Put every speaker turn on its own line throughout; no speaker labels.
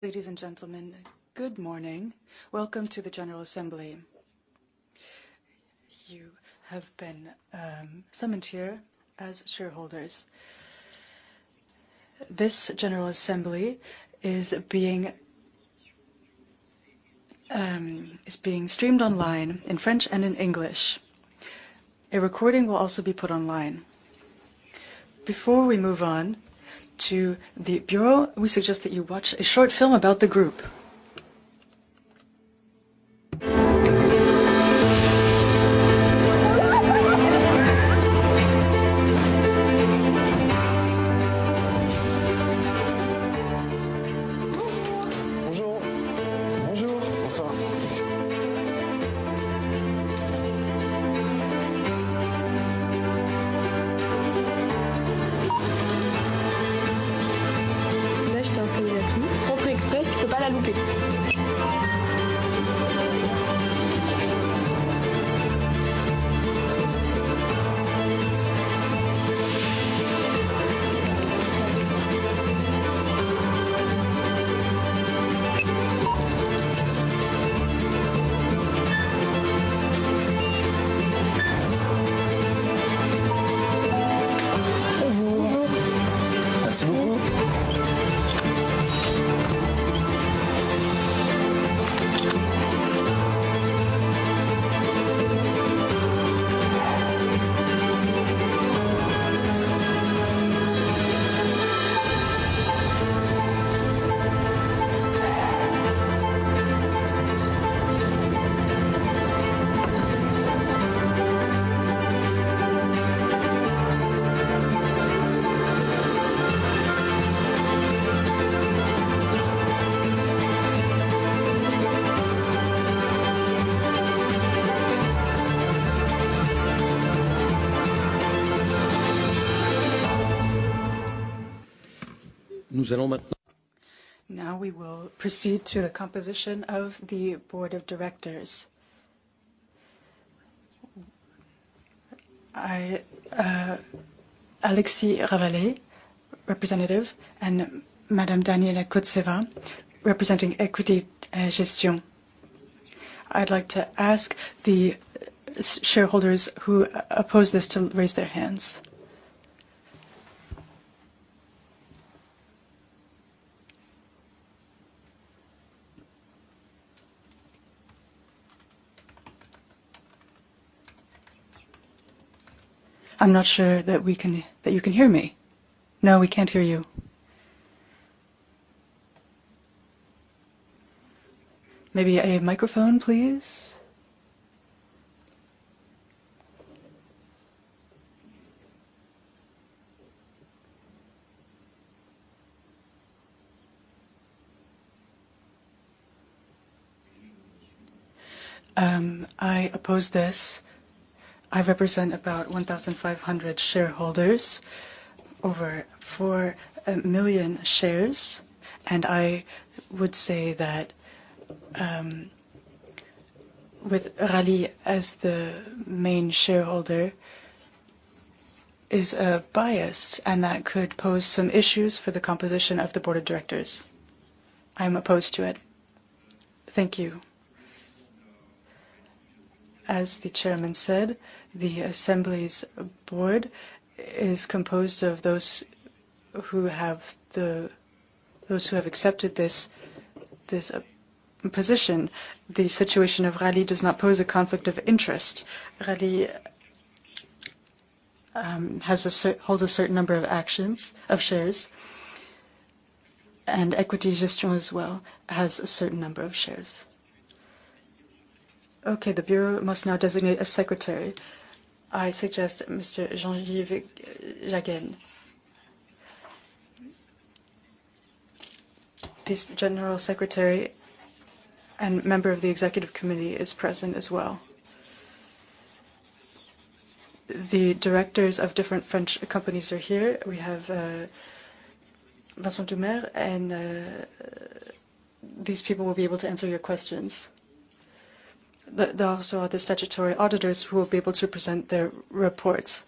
Ladies and gentlemen, good morning. Welcome to the general assembly. You have been summoned here as shareholders. This general assembly is being streamed online in French and in English. A recording will also be put online. Before we move on to the bureau, we suggest that you watch a short film about the group. We will proceed to the composition of the board of directors. Alexis Ravalet, representative, and Madame Daniela Kotseva, representing Equitis Gestion. I'd like to ask the shareholders who oppose this to raise their hands. I'm not sure that you can hear me. No, we can't hear you. Maybe a microphone, please.
I oppose this.I represent about 1,500 shareholders, over 4 million shares. I would say that with Rallye as the main shareholder is a bias, that could pose some issues for the composition of the board of directors. I'm opposed to it. Thank you. As the chairman said, the assembly's board is composed of those who have accepted this position. The situation of Rallye does not pose a conflict of interest. Rallye has a certain number of shares. Equitis Gestion as well has a certain number of shares. The bureau must now designate a secretary. I suggest Mr. Jean-Yves Haagen. This general secretary and member of the executive committee is present as well. The directors of different French companies are here. We have Vincent Doumerc. These people will be able to answer your questions. There are also other statutory auditors who will be able to present their reports.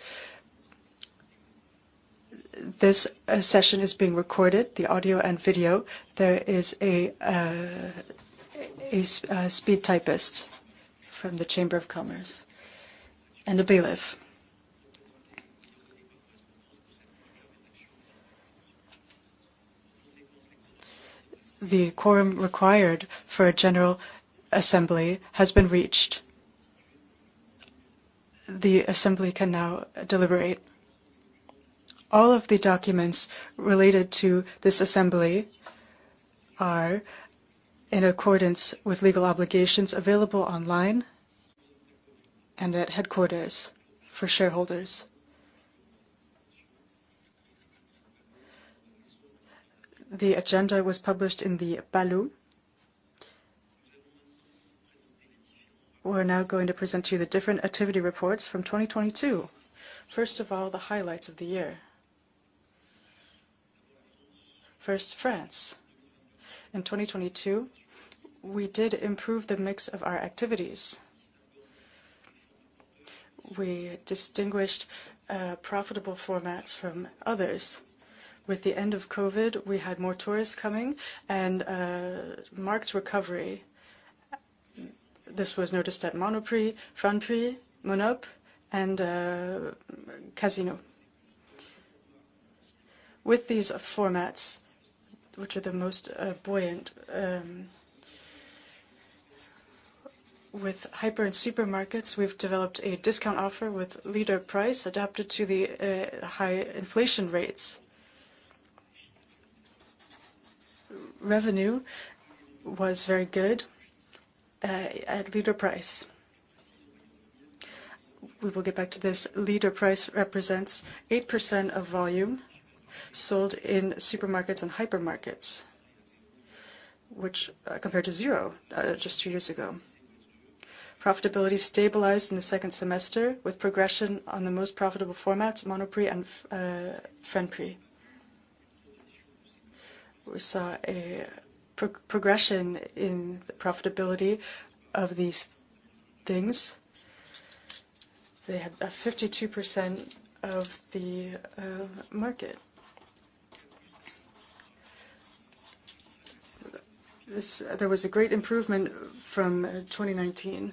This session is being recorded, the audio and video. There is a speed typist from the Chamber of Commerce and a bailiff. The quorum required for a general assembly has been reached. The assembly can now deliberate. All of the documents related to this assembly are in accordance with legal obligations available online and at headquarters for shareholders. The agenda was published in the BALO. We're now going to present to you the different activity reports from 2022. First of all, the highlights of the year. First, France. In 2022, we did improve the mix of our activities. We distinguished profitable formats from others. With the end of COVID, we had more tourists coming and marked recovery. This was noticed at Monoprix, Franprix, Monop', and Casino. With these formats, which are the most buoyant, with hyper and supermarkets, we've developed a discount offer with Leader Price adapted to the high inflation rates. Revenue was very good at Leader Price. We will get back to this. Leader Price represents 8% of volume sold in supermarkets and hypermarkets, which, compared to zero, just two years ago. Profitability stabilized in the second semester with progression on the most profitable formats, Monoprix and Franprix. We saw a progression in the profitability of these things. They had 52% of the market. There was a great improvement from 2019.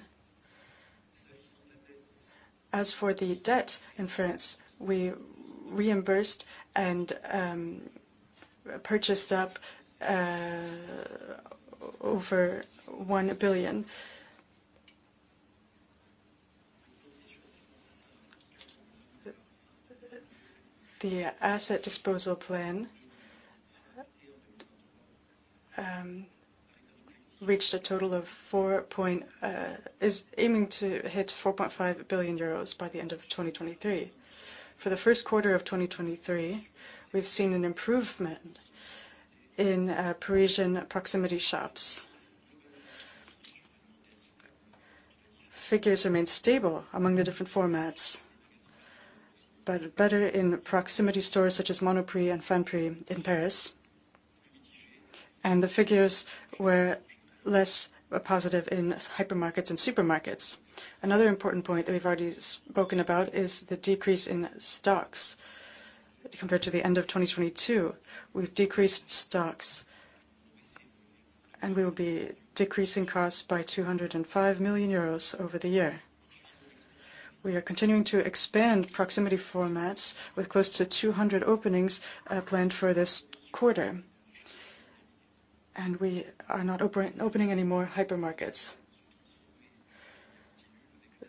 As for the debt in France, we reimbursed and purchased up over EUR 1 billion. The asset disposal plan is aiming to hit 4.5 billion euros by the end of 2023. For the first quarter of 2023, we've seen an improvement in Parisian proximity shops. Figures remain stable among the different formats, but better in proximity stores such as Monoprix and Franprix in Paris. The figures were less positive in hypermarkets and supermarkets. Another important point that we've already spoken about is the decrease in stocks compared to the end of 2022. We've decreased stocks, and we will be decreasing costs by 205 million euros over the year. We are continuing to expand proximity formats with close to 200 openings planned for this quarter. We are not opening any more hypermarkets.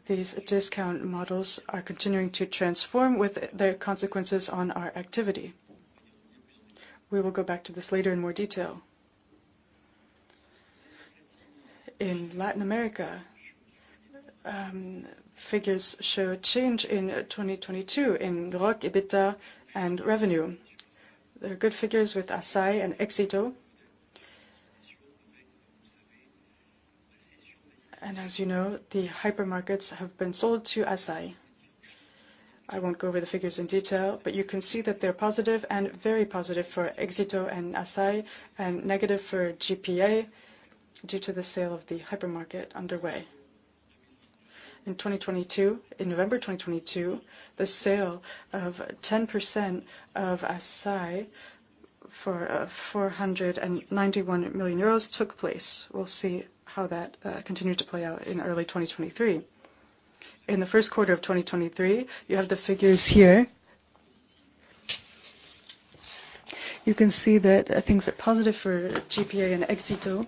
These discount models are continuing to transform with their consequences on our activity. We will go back to this later in more detail. In Latin America, figures show a change in 2022 in ROC, EBITDA, and revenue. There are good figures with Assaí and Éxito. As you know, the hypermarkets have been sold to Assaí. I won't go over the figures in detail, but you can see that they're positive and very positive for Éxito and Assaí, and negative for GPA due to the sale of the hypermarket underway. In November 2022, the sale of 10% of Assaí for 491 million euros took place. We'll see how that continued to play out in early 2023. In the first quarter of 2023, you have the figures here. You can see that things are positive for GPA and Éxito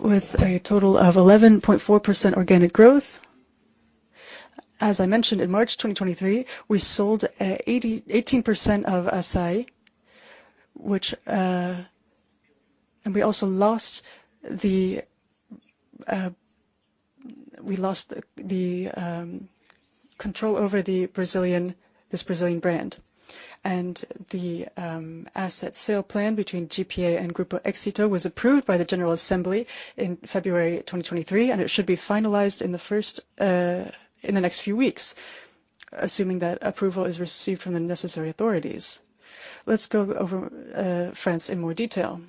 with a total of 11.4% organic growth. As I mentioned, in March 2023, we sold 18% of Assaí, which we also lost the control over this Brazilian brand. The asset sale plan between GPA and Grupo Éxito was approved by the General Assembly in February 2023, and it should be finalized in the next few weeks, assuming that approval is received from the necessary authorities. Let's go over France in more detail.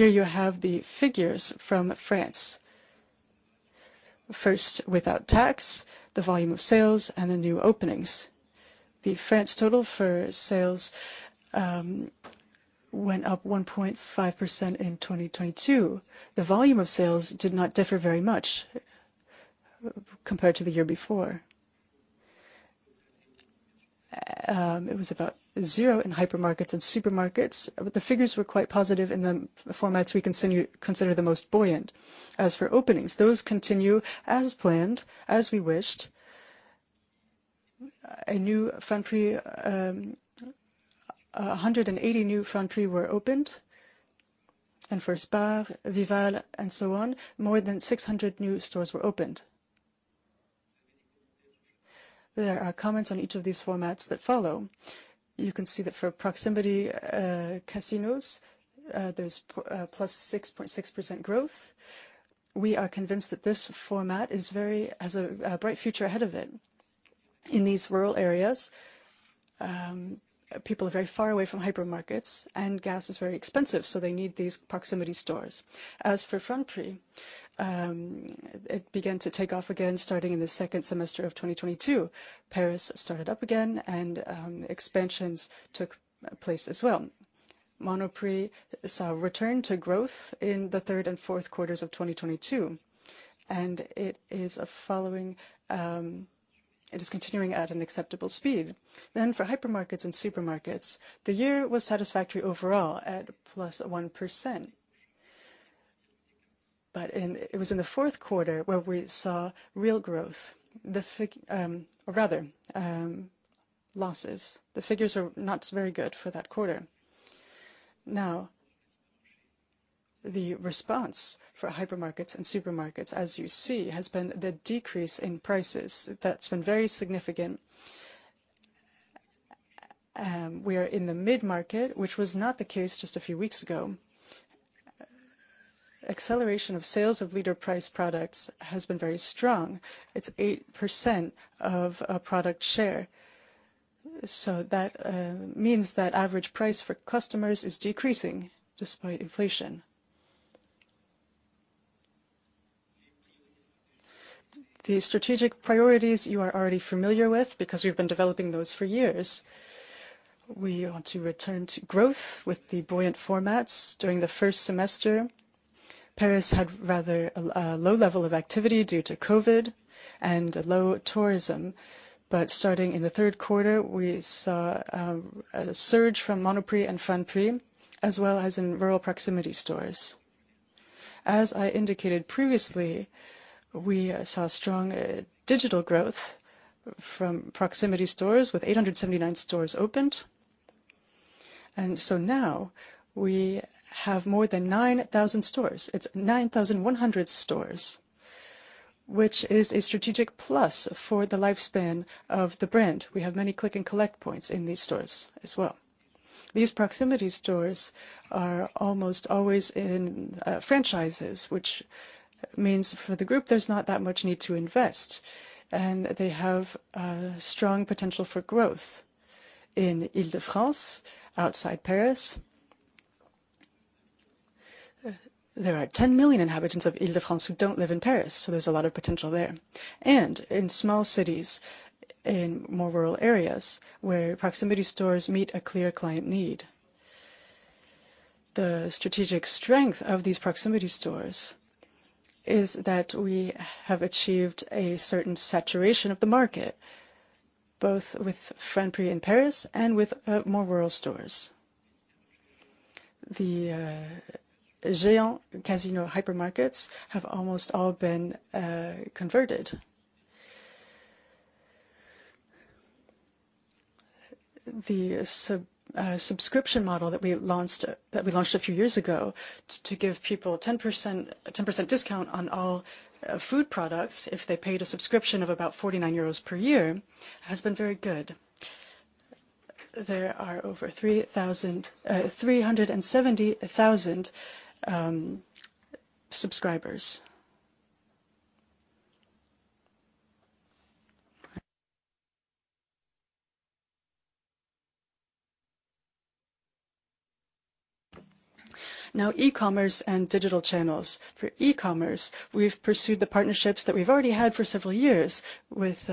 Here you have the figures from France. First, without tax, the volume of sales, and the new openings. The France total for sales went up 1.5% in 2022. The volume of sales did not differ very much compared to the year before. It was about zero in hypermarkets and supermarkets, but the figures were quite positive in the formats we consider the most buoyant. As for openings, those continue as planned, as we wished. A new Franprix, 180 new Franprix were opened. For Spar, Vival, and so on, more than 600 new stores were opened. There are comments on each of these formats that follow. You can see that for proximity, Casinos, there's +6.6% growth. We are convinced that this format is very has a bright future ahead of it. In these rural areas, people are very far away from hypermarkets, and gas is very expensive, so they need these proximity stores. As for Franprix, it began to take off again starting in the second semester of 2022. Paris started up again and expansions took place as well. Monoprix saw a return to growth in the third and fourth quarters of 2022, it is continuing at an acceptable speed. For hypermarkets and supermarkets, the year was satisfactory overall at +1%. It was in the fourth quarter where we saw real growth. The figures are not very good for that quarter. The response for hypermarkets and supermarkets, as you see, has been the decrease in prices. That's been very significant. We are in the mid-market, which was not the case just a few weeks ago. Acceleration of sales of Leader Price products has been very strong. It's 8% of product share. That means that average price for customers is decreasing despite inflation. The strategic priorities you are already familiar with because we've been developing those for years. We want to return to growth with the buoyant formats. During the first semester, Paris had rather a low level of activity due to COVID and low tourism. Starting in the third quarter, we saw a surge from Monoprix and Franprix, as well as in rural proximity stores. As I indicated previously, we saw strong digital growth from proximity stores with 879 stores opened. Now we have more than 9,000 stores. It's 9,100 stores, which is a strategic plus for the lifespan of the brand. We have many click-and-collect points in these stores as well. These proximity stores are almost always in franchises, which means for the Casino Group, there's not that much need to invest, and they have strong potential for growth. In Île-de-France, outside Paris, there are 10 million inhabitants of Île-de-France who don't live in Paris, there's a lot of potential there. In small cities, in more rural areas where proximity stores meet a clear client need. The strategic strength of these proximity stores is that we have achieved a certain saturation of the market, both with Franprix in Paris and with more rural stores. The Géant Casino hypermarkets have almost all been converted. The subscription model that we launched a few years ago to give people 10%, a 10% discount on all food products if they paid a subscription of about 49 euros per year, has been very good. There are over 370,000 subscribers. E-commerce and digital channels. For e-commerce, we've pursued the partnerships that we've already had for several years with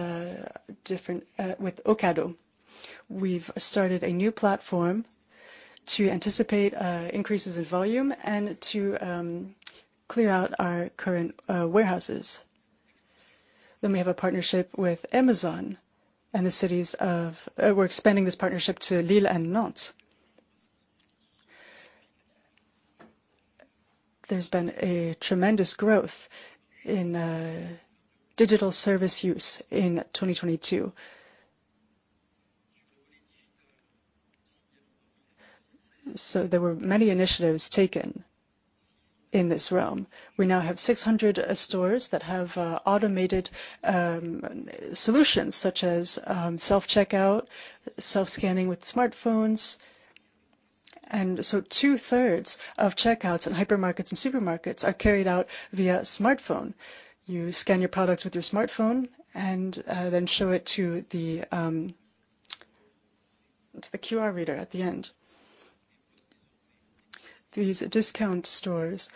different with Ocado. We've started a new platform to anticipate increases in volume and to clear out our current warehouses. We have a partnership with Amazon and the cities of we're expanding this partnership to Lille and Nantes. There's been a tremendous growth in digital service use in 2022. There were many initiatives taken in this realm. We now have 600 stores that have automated solutions such as self-checkout, self-scanning with smartphones. Two-thirds of checkouts in hypermarkets and supermarkets are carried out via smartphone. You scan your products with your smartphone and then show it to the QR reader at the end. These discount stores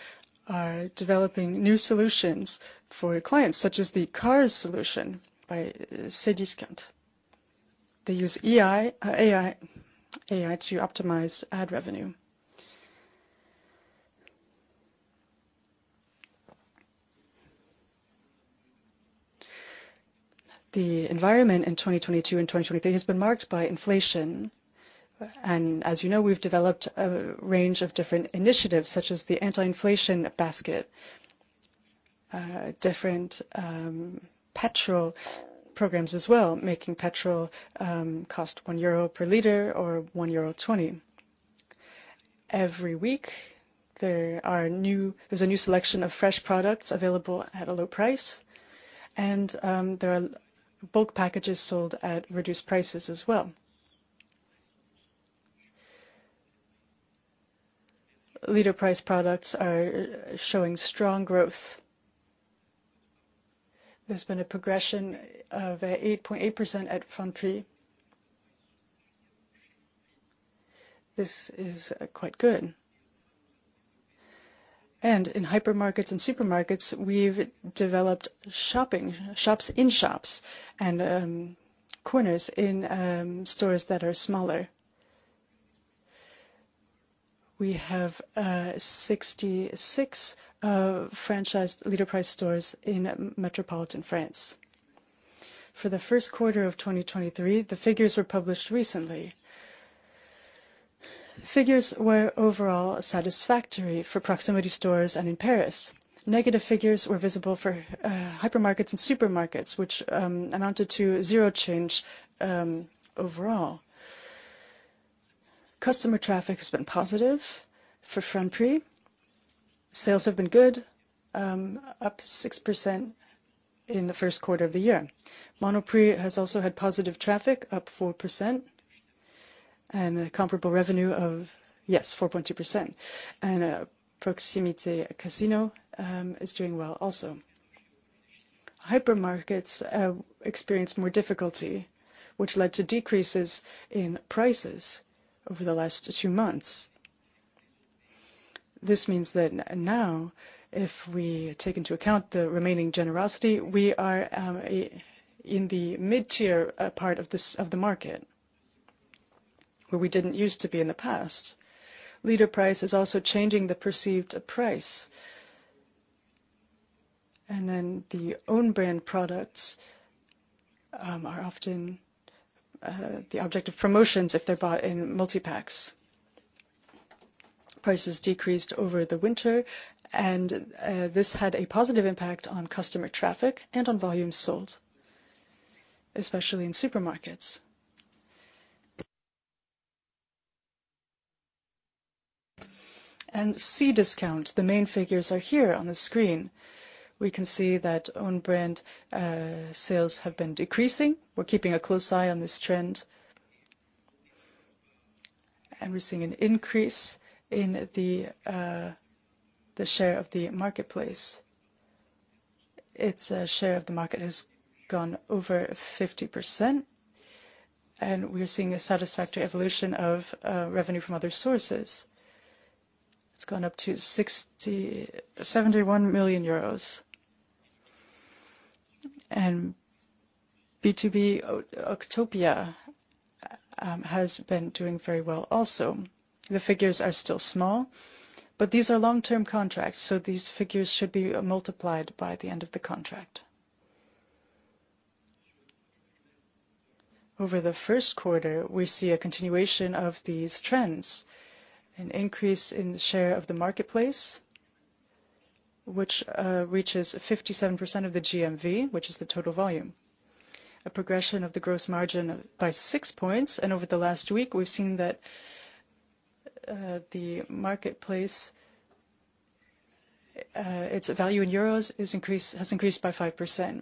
are developing new solutions for clients, such as the CARS solution by Cdiscount. They use AI to optimize ad revenue. The environment in 2022 and 2023 has been marked by inflation. As you know, we've developed a range of different initiatives such as the anti-inflation basket, different petrol programs as well, making petrol cost 1 euro per liter or 1.20 euro. Every week, there's a new selection of fresh products available at a low price, there are bulk packages sold at reduced prices as well. Leader Price products are showing strong growth. There's been a progression of 8.8% at Franprix. This is quite good. In hypermarkets and supermarkets, we've developed shops in shops and corners in stores that are smaller. We have 66 franchised Leader Price stores in metropolitan France. For the first quarter of 2023, the figures were published recently. Figures were overall satisfactory for proximity stores and in Paris. Negative figures were visible for hypermarkets and supermarkets, which amounted to zero change overall. Customer traffic has been positive for Franprix. Sales have been good, up 6% in the first quarter of the year. Monoprix has also had positive traffic, up 4% and a comparable revenue of, yes, 4.2%. Casino Proximité is doing well also. Hypermarkets experience more difficulty, which led to decreases in prices over the last two months. This means that now, if we take into account the remaining generosity, we are in the mid-tier part of the market, where we didn't used to be in the past. Leader Price is also changing the perceived price. The own brand products are often the object of promotions if they're bought in multi-packs. Prices decreased over the winter, this had a positive impact on customer traffic and on volumes sold, especially in supermarkets. Cdiscount, the main figures are here on the screen. We can see that own brand sales have been decreasing. We're keeping a close eye on this trend. We're seeing an increase in the share of the marketplace. Its share of the market has gone over 50%, we're seeing a satisfactory evolution of revenue from other sources. It's gone up to 71 million euros. B2B, Octopia, has been doing very well also. The figures are still small, but these are long-term contracts, so these figures should be multiplied by the end of the contract. Over the first quarter, we see a continuation of these trends, an increase in the share of the marketplace, which reaches 57% of the GMV, which is the total volume. A progression of the gross margin by six points. Over the last week, we've seen that the marketplace, its value in euros has increased by 5%.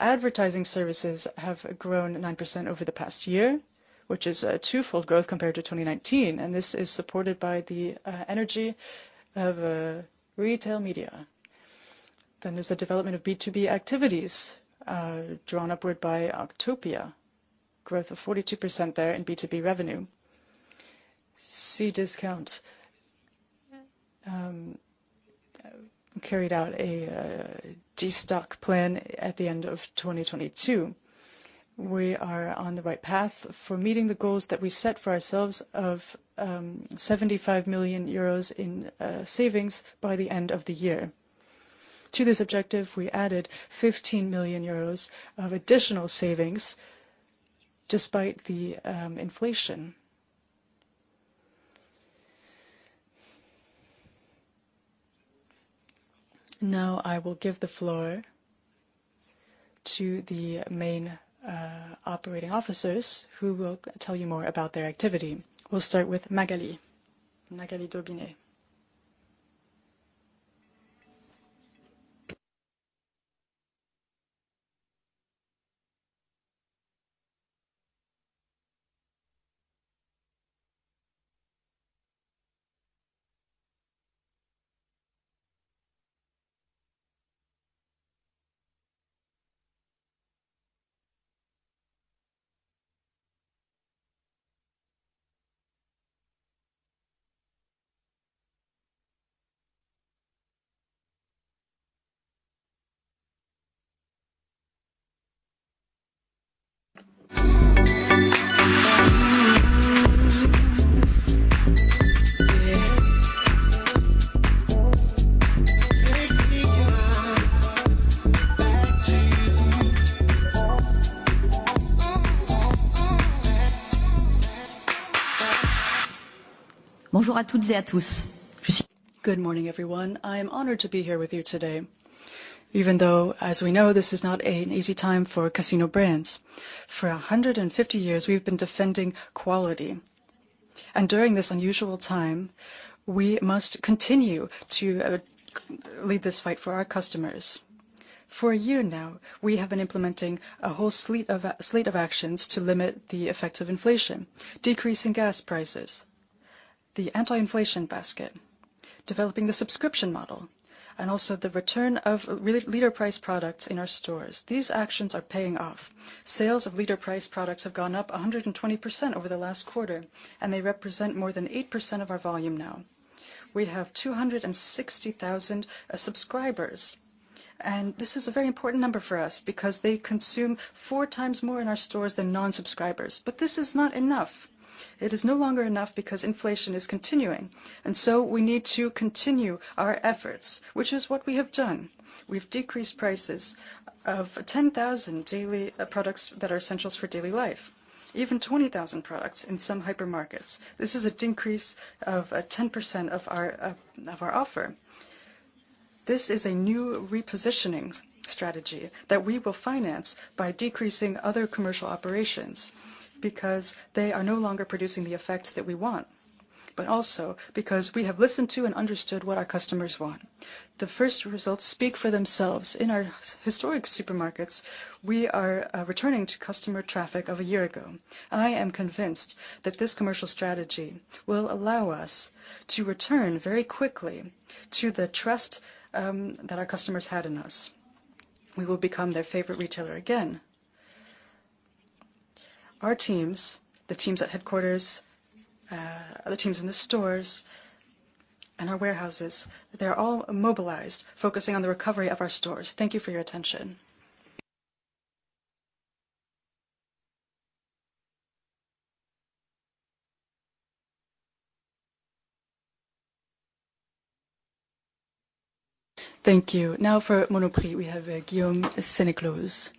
Advertising services have grown 9% over the past year, which is a twofold growth compared to 2019, and this is supported by the energy of retail media. There's the development of B2B activities, drawn upward by Octopia. Growth of 42% there in B2B revenue. Cdiscount carried out a destock plan at the end of 2022. We are on the right path for meeting the goals that we set for ourselves of 75 million euros in savings by the end of the year. To this objective, we added 15 million euros of additional savings despite the inflation. Now I will give the floor to the main operating officers who will tell you more about their activity.
We'll start with Magali. Magali Daubinet-Salen.
Good morning, everyone. I am honored to be here with you today, even though, as we know, this is not an easy time for Casino brands. For 150 years, we've been defending quality, and during this unusual time, we must continue to lead this fight for our customers. For a year now, we have been implementing a whole slate of actions to limit the effects of inflation, decrease in gas prices, the anti-inflation basket, developing the subscription model, and also the return of Leader Price products in our stores. These actions are paying off. Sales of Leader Price products have gone up 120% over the last quarter, and they represent more than 8% of our volume now. We have 260,000 subscribers, this is a very important number for us because they consume four times more in our stores than non-subscribers. This is not enough. It is no longer enough because inflation is continuing, we need to continue our efforts, which is what we have done. We've decreased prices of 10,000 daily products that are essentials for daily life. Even 20,000 products in some hypermarkets. This is a decrease of 10% of our offer. This is a new repositioning strategy that we will finance by decreasing other commercial operations because they are no longer producing the effects that we want, also because we have listened to and understood what our customers want. The first results speak for themselves. In our historic supermarkets, we are returning to customer traffic of a year ago. I am convinced that this commercial strategy will allow us to return very quickly to the trust that our customers had in us. We will become their favorite retailer again. Our teams, the teams at headquarters, the teams in the stores and our warehouses, they are all mobilized, focusing on the recovery of our stores. Thank you for your attention.
Thank you. For Monoprix, we have Guillaume Sénéclauze.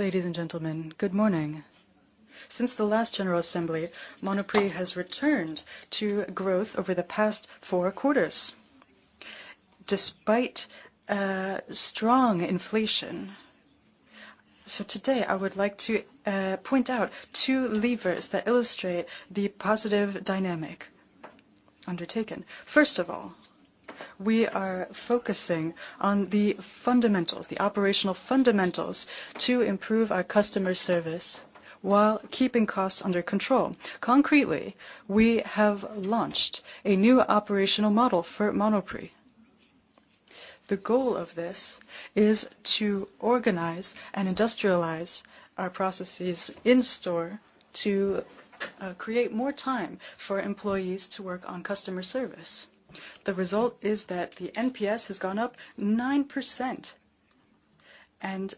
Ladies and gentlemen, good morning. Since the last general assembly, Monoprix has returned to growth over the past four quarters, despite strong inflation. Today, I would like to point out two levers that illustrate the positive dynamic undertaken. First of all, we are focusing on the fundamentals, the operational fundamentals to improve our customer service while keeping costs under control. Concretely, we have launched a new operational model for Monoprix. The goal of this is to organize and industrialize our processes in store to create more time for employees to work on customer service. The result is that the NPS has gone up 9% and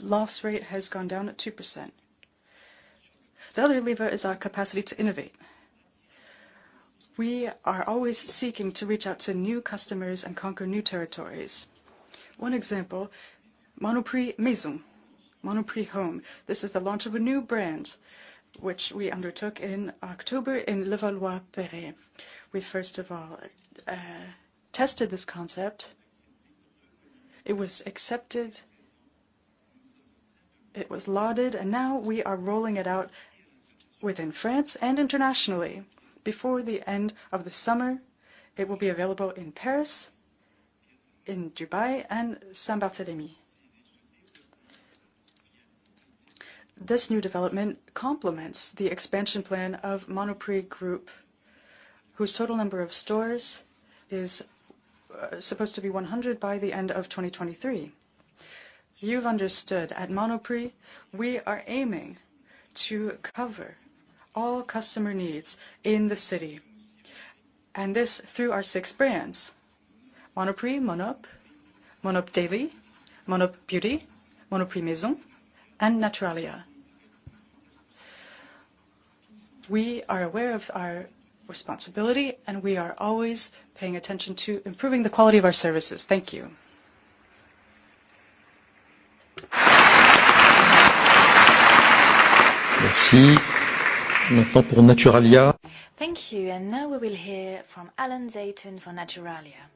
loss rate has gone down at 2%. The other lever is our capacity to innovate. We are always seeking to reach out to new customers and conquer new territories. One example, Monoprix Maison, Monoprix Home. This is the launch of a new brand which we undertook in October in Levallois-Perret. We first of all tested this concept. It was accepted, it was lauded. Now we are rolling it out within France and internationally. Before the end of the summer, it will be available in Paris, in Dubai, and Saint-Barthélemy. This new development complements the expansion plan of Monoprix Group, whose total number of stores is supposed to be 100 by the end of 2023. You've understood, at Monoprix, we are aiming to cover all customer needs in the city, this through our six brands: Monoprix, Monop'daily, Monop'Beauty, Monoprix Maison, and Naturalia. We are aware of our responsibility. We are always paying attention to improving the quality of our services. Thank you.
Merci. Maintenant pour Naturalia.
Thank you. Now we will hear from Allon Zeitoun for Naturalia.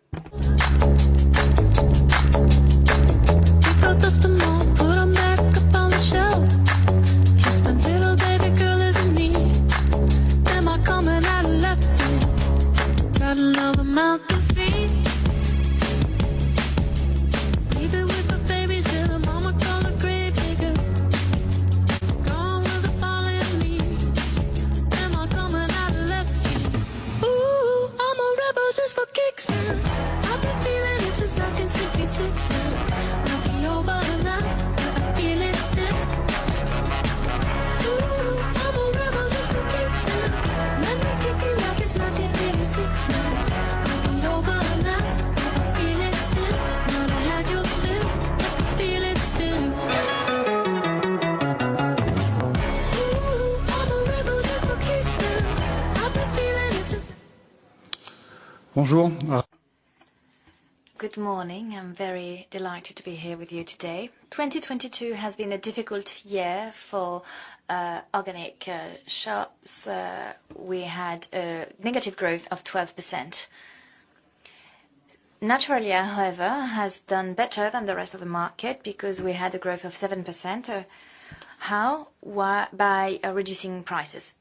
Good morning. I'm very delighted to be here with you today. 2022 has been a difficult year for organic shops. We had a negative growth of 12%. Naturalia, however, has done better than the rest of the market because we had a growth of 7%. How? Why? By reducing prices.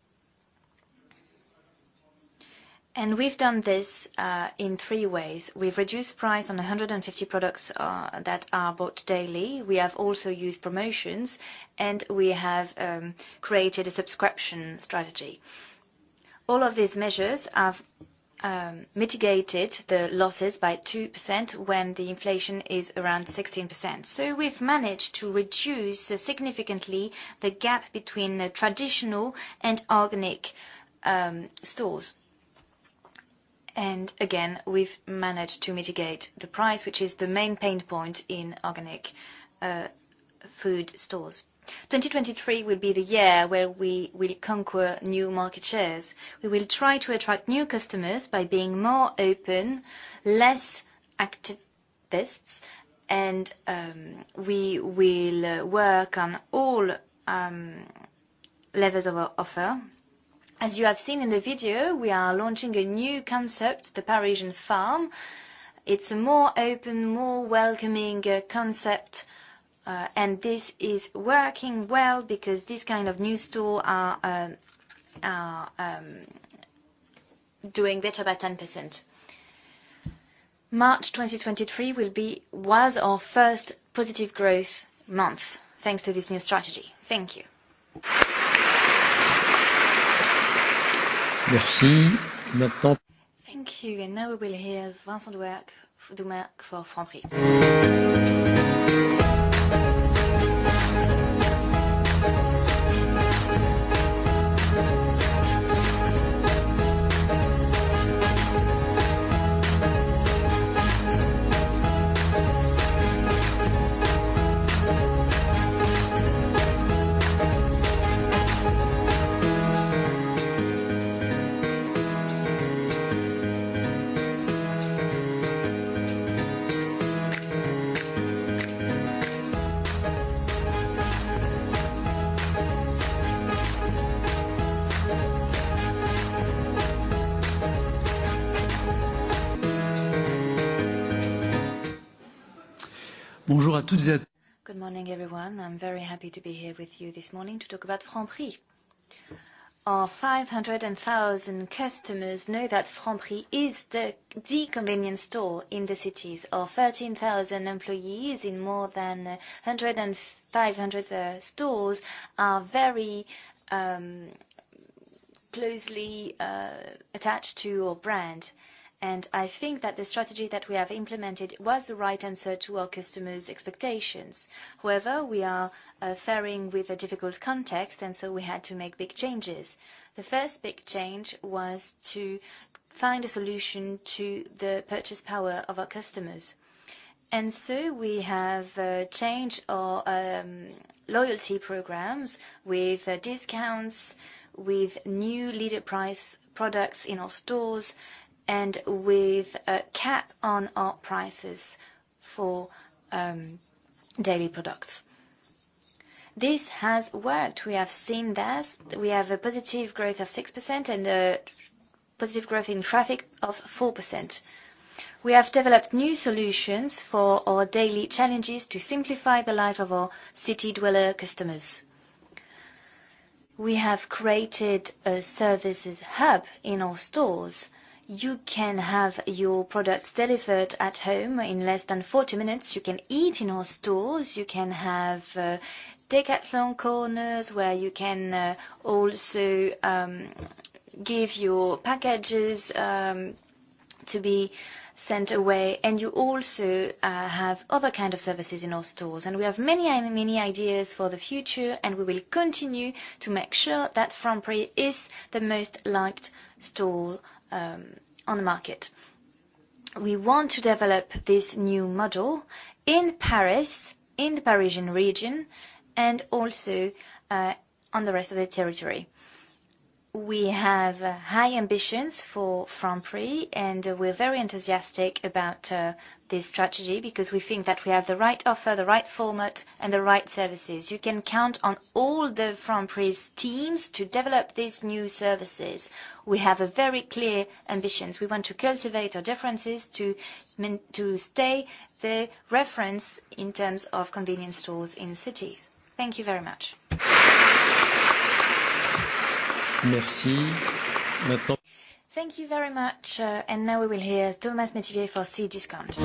We've done this in three ways. We've reduced price on 150 products that are bought daily. We have also used promotions and we have created a subscription strategy. All of these measures have mitigated the losses by 2% when the inflation is around 16%. We've managed to reduce significantly the gap between the traditional and organic stores. Again, we've managed to mitigate the price, which is the main pain point in organic food stores. 2023 will be the year where we will conquer new market shares. We will try to attract new customers by being more open, less activists, and we will work on all levels of our offer. As you have seen in the video, we are launching a new concept, the Parisian Farm. It's a more open, more welcoming concept, and this is working well because this kind of new store are doing better by 10%. March 2023 was our first positive growth month, thanks to this new strategy. Thank you.
Merci. Maintenant...
Thank you. Now we will hear Vincent Doumerc for Franprix.
Bonjour a toutes et... Good morning, everyone. I'm very happy to be here with you this morning to talk about Franprix. Our 500,000 customers know that Franprix is the convenience store in the cities. Our 13,000 employees in more than 1,500 stores are very closely attached to our brand. I think that the strategy that we have implemented was the right answer to our customers' expectations. However, we are faring with a difficult context, we had to make big changes. The first big change was to find a solution to the purchase power of our customers. We have changed our loyalty programs with discounts, with new Leader Price products in our stores, and with a cap on our prices for daily products. This has worked. We have seen this. We have a positive growth of 6% and a positive growth in traffic of 4%. We have developed new solutions for our daily challenges to simplify the life of our city dweller customers. We have created a services hub in our stores. You can have your products delivered at home in less than 40 minutes. You can eat in our stores. You can have Decathlon corners where you can also give your packages to be sent away. You also have other kind of services in our stores. We have many, many ideas for the future, and we will continue to make sure that Franprix is the most liked store on the market. We want to develop this new model in Paris, in the Parisian region, and also on the rest of the territory. We have high ambitions for Franprix, we're very enthusiastic about this strategy because we think that we have the right offer, the right format, and the right services. You can count on all the Franprix teams to develop these new services. We have a very clear ambitions. We want to cultivate our differences to stay the reference in terms of convenience stores in cities. Thank you very much.
Merci. Maintenant... Thank you very much. Now we will hear Thomas Métivier for Cdiscount.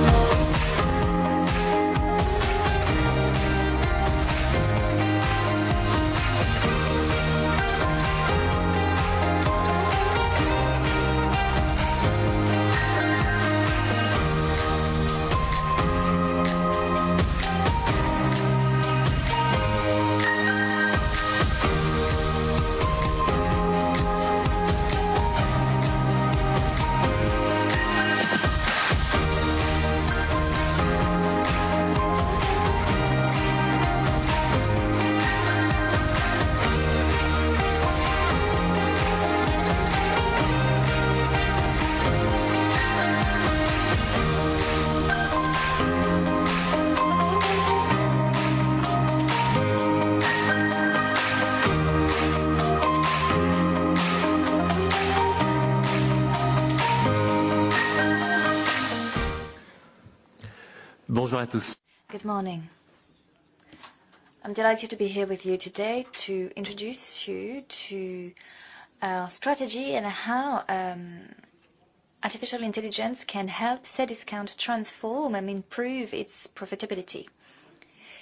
Good morning. I'm delighted to be here with you today to introduce you to our strategy and how artificial intelligence can help Cdiscount transform and improve its profitability.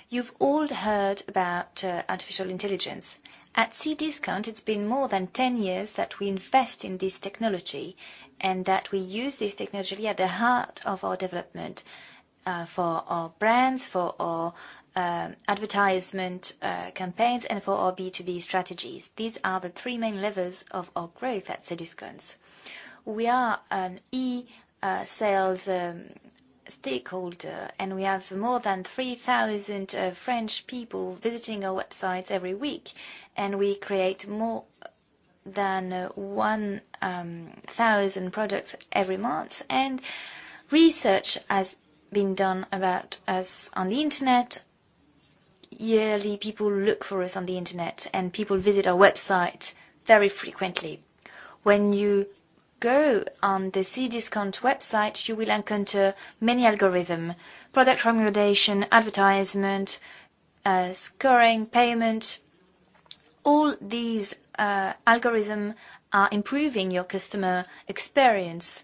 You've all heard about artificial intelligence. At Cdiscount, it's been more than 10 years that we invest in this technology and that we use this technology at the heart of our development for our brands, for our advertisement campaigns, and for our B2B strategies. These are the three main levers of our growth at Cdiscount. We are an e-sales stakeholder, and we have more than 3,000 French people visiting our website every week, and we create more than 1,000 products every month. Research has been done about us on the Internet. Yearly, people look for us on the Internet. People visit our website very frequently. When you go on the Cdiscount website, you will encounter many algorithms: product recommendation, advertisement, scoring, payment. All these algorithms are improving your customer experience.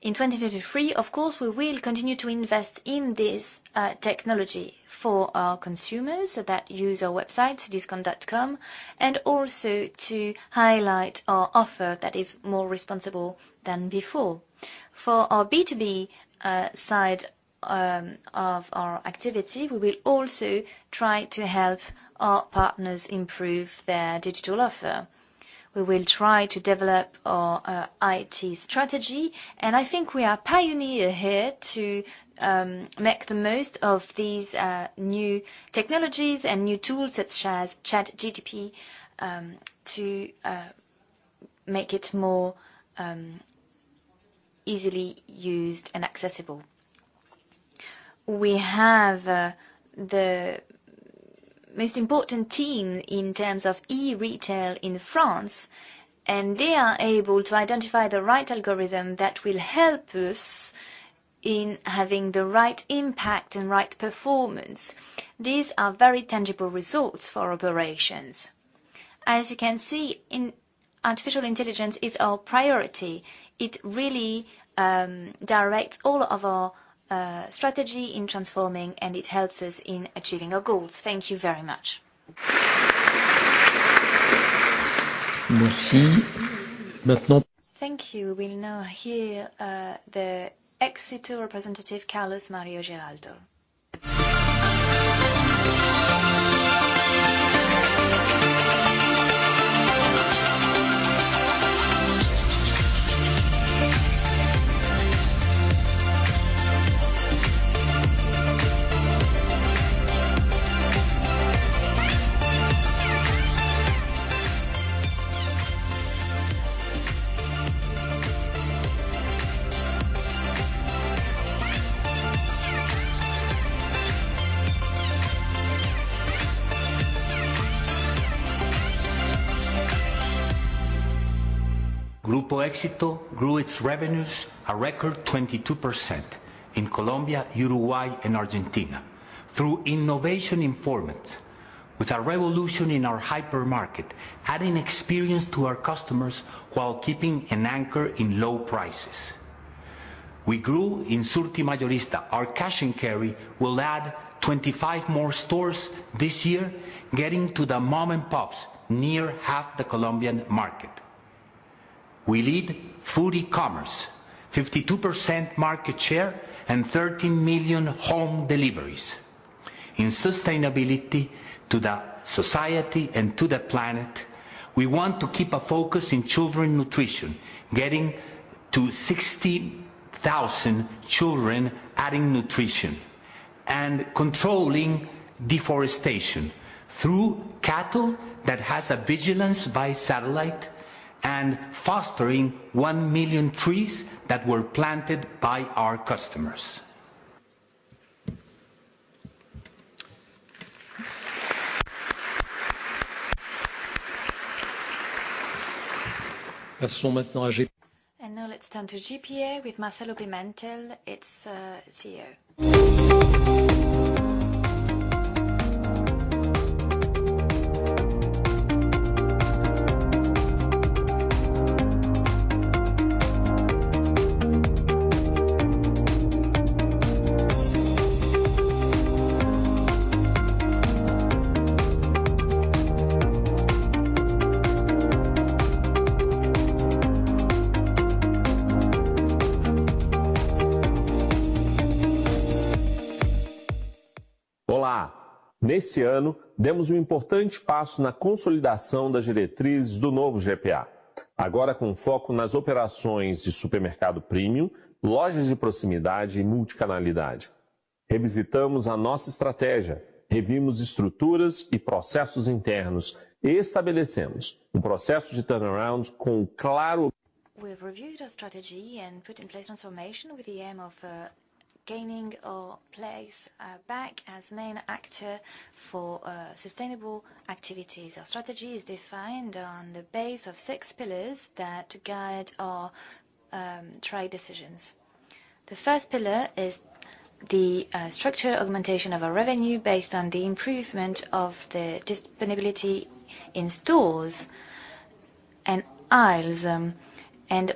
In 2023, of course, we will continue to invest in this technology for our consumers that use our website, cdiscount.com, to highlight our offer that is more responsible than before. For our B2B side of our activity, we will also try to help our partners improve their digital offer. We will try to develop our IT strategy. I think we are pioneers here to make the most of these new technologies and new tools, such as ChatGPT, to make it more easily used and accessible. We have the most important team in terms of e-retail in France. They are able to identify the right algorithm that will help us in having the right impact and right performance. These are very tangible results for operations. As you can see artificial intelligence is our priority. It really directs all of our strategy in transforming, and it helps us in achieving our goals. Thank you very much.
Thank you. We'll now hear the Éxito representative, Carlos Mario Giraldo.
Grupo Éxito grew its revenues a record 22% in Colombia, Uruguay, and Argentina through innovation in format with a revolution in our hypermarket, adding experience to our customers while keeping an anchor in low prices. We grew in Surtimayorista. Our cash and carry will add 25 more stores this year, getting to the mom and pops near half the Colombian market. We lead food e-commerce, 52% market share, and 30 million home deliveries. In sustainability to the society and to the planet, we want to keep a focus in children nutrition, getting to 60,000 children adding nutrition and controlling deforestation through cattle that has a vigilance by satellite and fostering 1 million trees that were planted by our customers.
Now let's turn to GPA with Marcelo Pimentel, its CEO.
Olá! Nesse ano demos um importante passo na consolidação das diretrizes do novo GPA, agora com foco nas operações de supermercado premium, lojas de proximidade e multicanalidade. Revisitamos a nossa estratégia, revimos estruturas e processos internos e estabelecemos um processo de turnaround com claro.
We've reviewed our strategy and put in place transformation with the aim of gaining our place back as main actor for sustainable activities. Our strategy is defined on the base of six pillars that guide our trade decisions. The first pillar is the structure augmentation of our revenue based on the improvement of the availability in stores and aisles.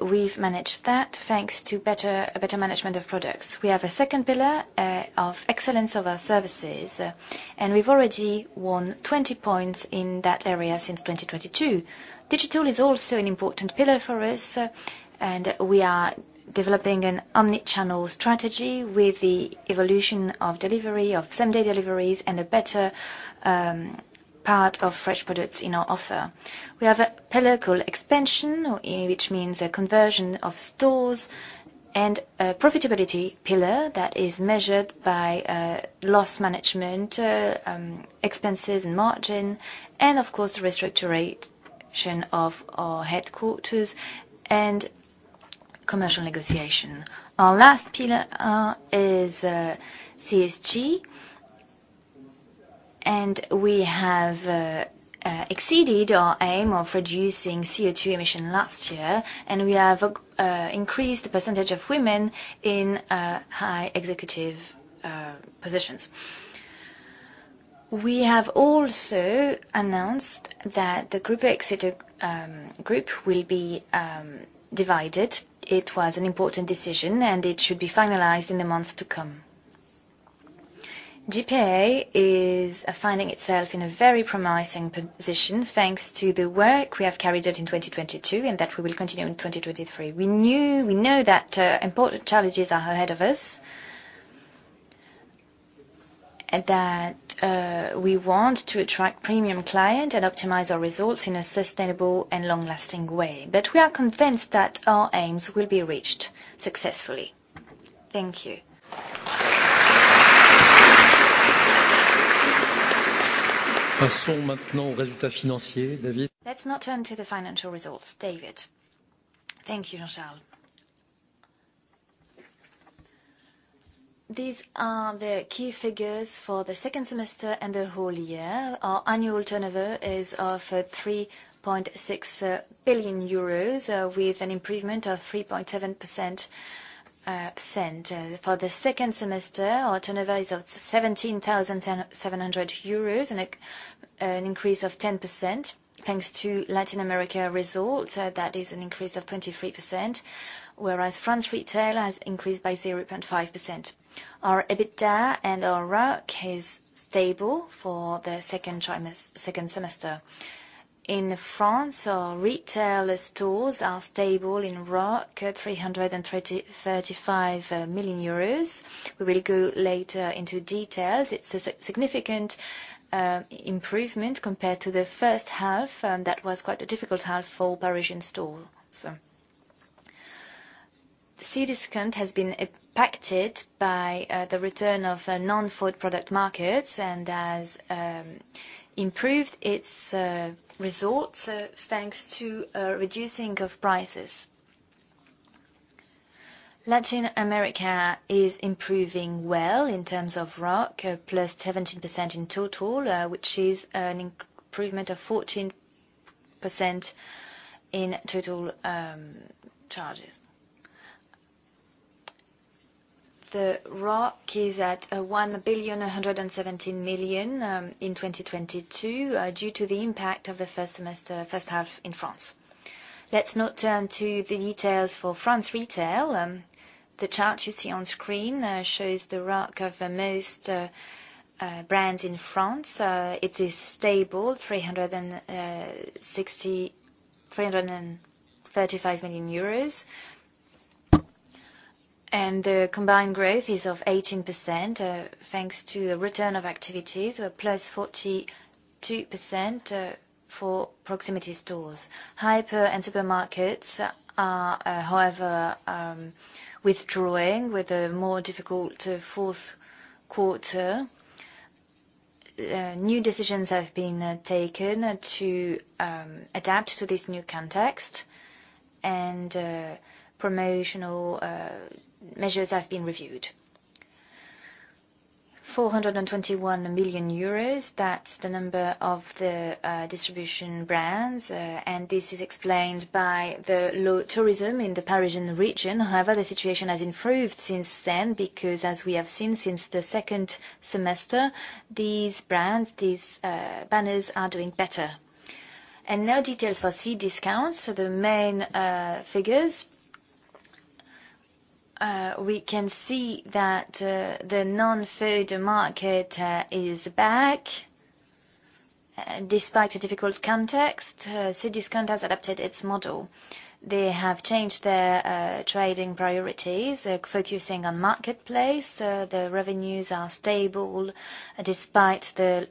We've managed that thanks to a better management of products. We have a second pillar of excellence of our services. We've already won 20 points in that area since 2022. Digital is also an important pillar for us. We are developing an omni-channel strategy with the evolution of delivery, of same-day deliveries, and a better part of fresh products in our offer. We have a pillar called expansion, which means a conversion of stores and a profitability pillar that is measured by loss management, expenses and margin, and of course, the restructure of our headquarters and commercial negotiation. Our last pillar is CSG. we have exceeded our aim of reducing CO2 emission last year, and we have increased the percentage of women in high executive positions. We have also announced that the Grupo Éxito group will be divided. It was an important decision, and it should be finalized in the months to come. GPA is finding itself in a very promising position thanks to the work we have carried out in 2022 and that we will continue in 2023. We know that important challenges are ahead of us. We want to attract premium client and optimize our results in a sustainable and long-lasting way. We are convinced that our aims will be reached successfully. Thank you.
Passons maintenant aux résultats financiers. David.
Let's now turn to the financial results. David. Thank you, Nouri. These are the key figures for the second semester and the whole year. Our annual turnover is of 3.6 billion euros with an improvement of 3.7%. For the second semester, our turnover is of 17,700 euros and an increase of 10% thanks to Latin America results, that is an increase of 23%. France retail has increased by 0.5%. Our EBITDA and our ROC is stable for the second semester. In France, our retail stores are stable in ROC, 335 million euros. We will go later into details. It's a significant improvement compared to the first half, and that was quite a difficult half for Parisian stores. Cdiscount has been impacted by the return of non-food product markets and has improved its results thanks to a reducing of prices. Latin America is improving well in terms of ROC, +17% in total, which is an improvement of 14% in total charges. The ROC is at 1.117 billion in 2022 due to the impact of the first half in France. Let's now turn to the details for France Retail. The chart you see on screen shows the ROC of most brands in France. It is stable, 335 million euros. The combined growth is of 18% thanks to the return of activities, +42% for proximity stores. Hyper and supermarkets are, however, withdrawing with a more difficult fourth quarter. New decisions have been taken to adapt to this new context and promotional measures have been reviewed. 421 million euros, that's the number of the distribution brands. This is explained by the low tourism in the Parisian region. However, the situation has improved since then because as we have seen since the second semester, these brands, these banners are doing better. Now details for Cdiscount. The main figures. We can see that the non-food market is back. Despite a difficult context, Cdiscount has adapted its model. They have changed their trading priorities, like focusing on marketplace. The revenues are stable despite the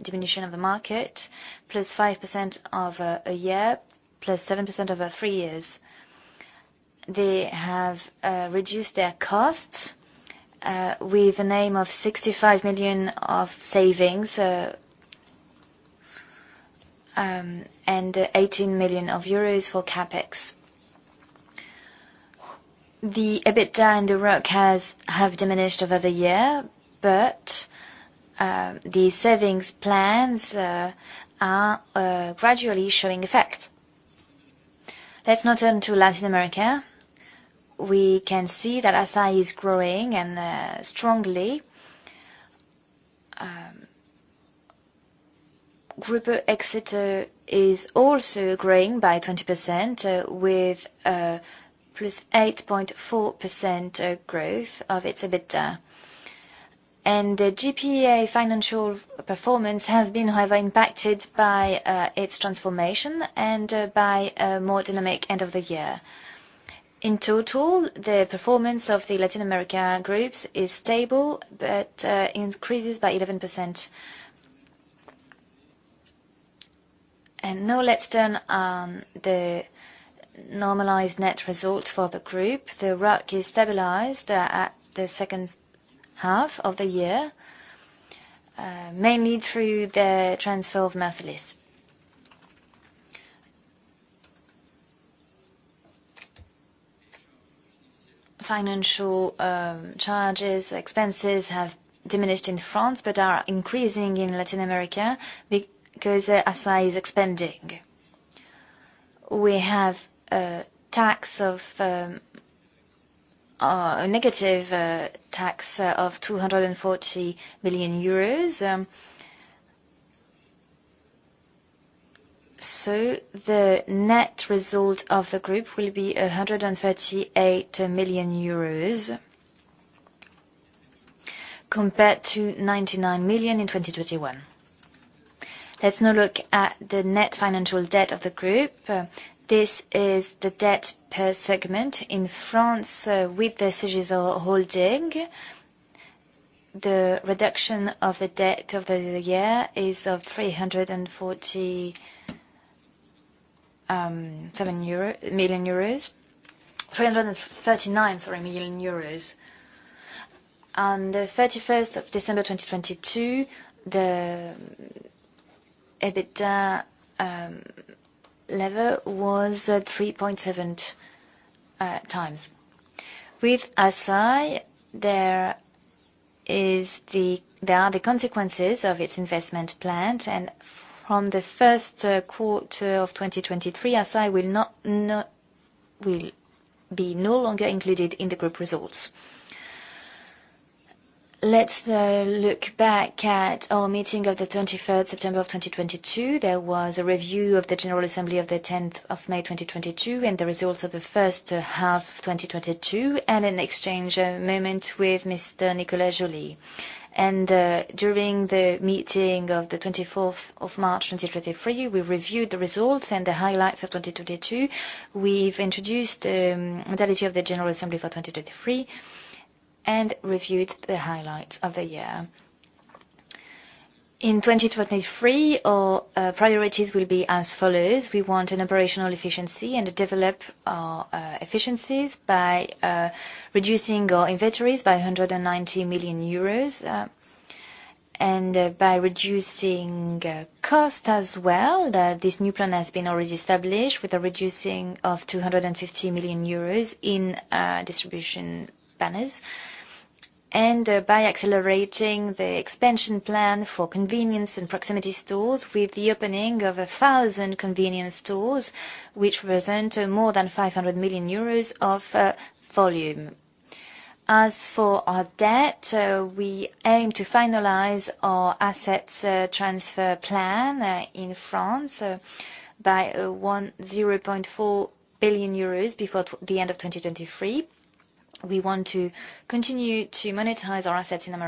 diminution of the market, +5% a year, +7% over three years. They have reduced their costs with a name of 65 million of savings and 18 million euros for CapEx. The EBITDA and the ROC have diminished over the year, the savings plans are gradually showing effect. Let's now turn to Latin America. We can see that Assaí is growing and strongly. Grupo Éxito is also growing by 20%, with +8.4% growth of its EBITDA. The GPA financial performance has been however impacted by its transformation and by a more dynamic end of the year. In total, the performance of the Latin America groups is stable but increases by 11%. Now let's turn on the normalized net results for the group. The ROC is stabilized at the second half of the year, mainly through the transfer of Mercialys. Financial charges, expenses have diminished in France but are increasing in Latin America because Assaí is expanding. We have tax of a negative tax of EUR 240 million. The net result of the group will be 138 million euros compared to 99 million in 2021. Let's now look at the net financial debt of the group. This is the debt per segment in France, with the Cdiscount holding. The reduction of the debt of the year is of 347 million euro. 339 million, sorry, million euros. On the December 31st, 2022, the EBITDA level was at 3.7x. With Assaí, there are the consequences of its investment plan. From the 1st quarter of 2023, Assaí will be no longer included in the group results. Let's look back at our meeting of the September 23rd, 2022. There was a review of the general assembly of the 10th of May 2022, and the results of the 1st half 2022, and an exchange moment with Mr. Nicolas Joly. During the meeting of the March 24,2023, we reviewed the results and the highlights of 2022. We've introduced modality of the general assembly for 2023 and reviewed the highlights of the year. In 2023 our priorities will be as follows: We want an operational efficiency and develop our efficiencies by reducing our inventories by 190 million euros and by reducing cost as well. This new plan has been already established with a reducing of 250 million euros in distribution banners. By accelerating the expansion plan for convenience and proximity stores with the opening of 1,000 convenience stores, which present more than 500 million euros of volume. As for our debt, we aim to finalize our assets transfer plan in France by 0.4 billion euros before the end of 2023. We want to continue to monetize our assets in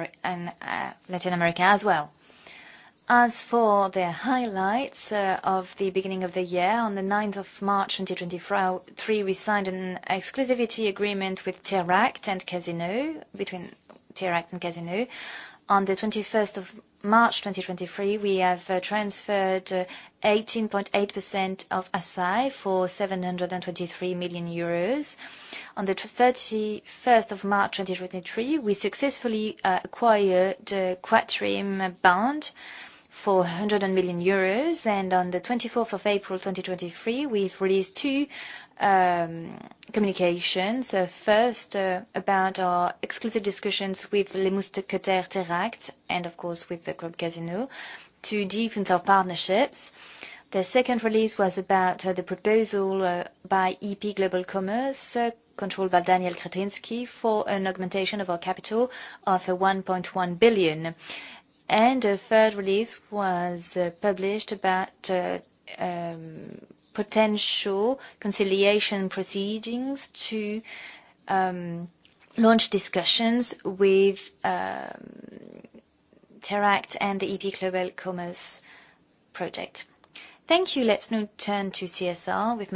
Latin America as well. As for the highlights of the beginning of the year, on the 9th of March 2023, we signed an exclusivity agreement with TERACT and Casino, between TERACT and Casino. On the March 21st, 2023, we have transferred 18.8% of Assaí for 723 million euros. On the March 31st, 2023, we successfully acquired the Quatrim bond for 100 million euros. On the April 24th, 2023, we've released two communications. First, about our exclusive discussions with Les Mousquetaires TERACT, and of course with the Casino Group, to deepen their partnerships. The second release was about the proposal by EP Global Commerce, controlled by Daniel Křetínský, for an augmentation of our capital of 1.1 billion. A third release was published about Potential conciliation proceedings to launch discussions with TERACT and the EP Global Commerce Project. Thank you. Let's now turn to CSR with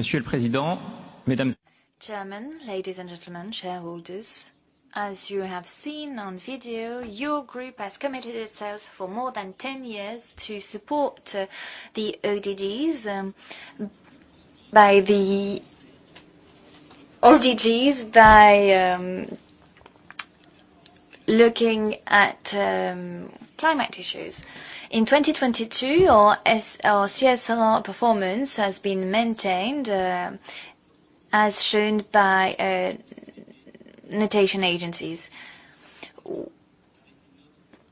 Matthieu Riche.
Chairman, ladies and gentlemen, shareholders. As you have seen on video, your group has committed itself for more than 10 years to support the SDGs by the SDGs by looking at climate issues. In 2022 our CSR performance has been maintained as shown by notation agencies.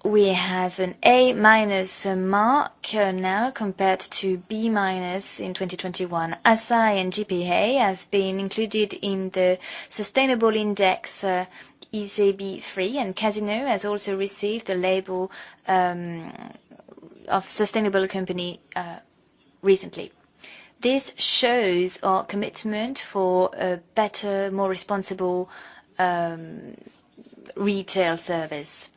We have an A minus mark now compared to B minus in 2021. Assaí and GPA have been included in the sustainable index ISE B3, and Casino has also received the label of sustainable company recently. This shows our commitment for a better, more responsible retail service.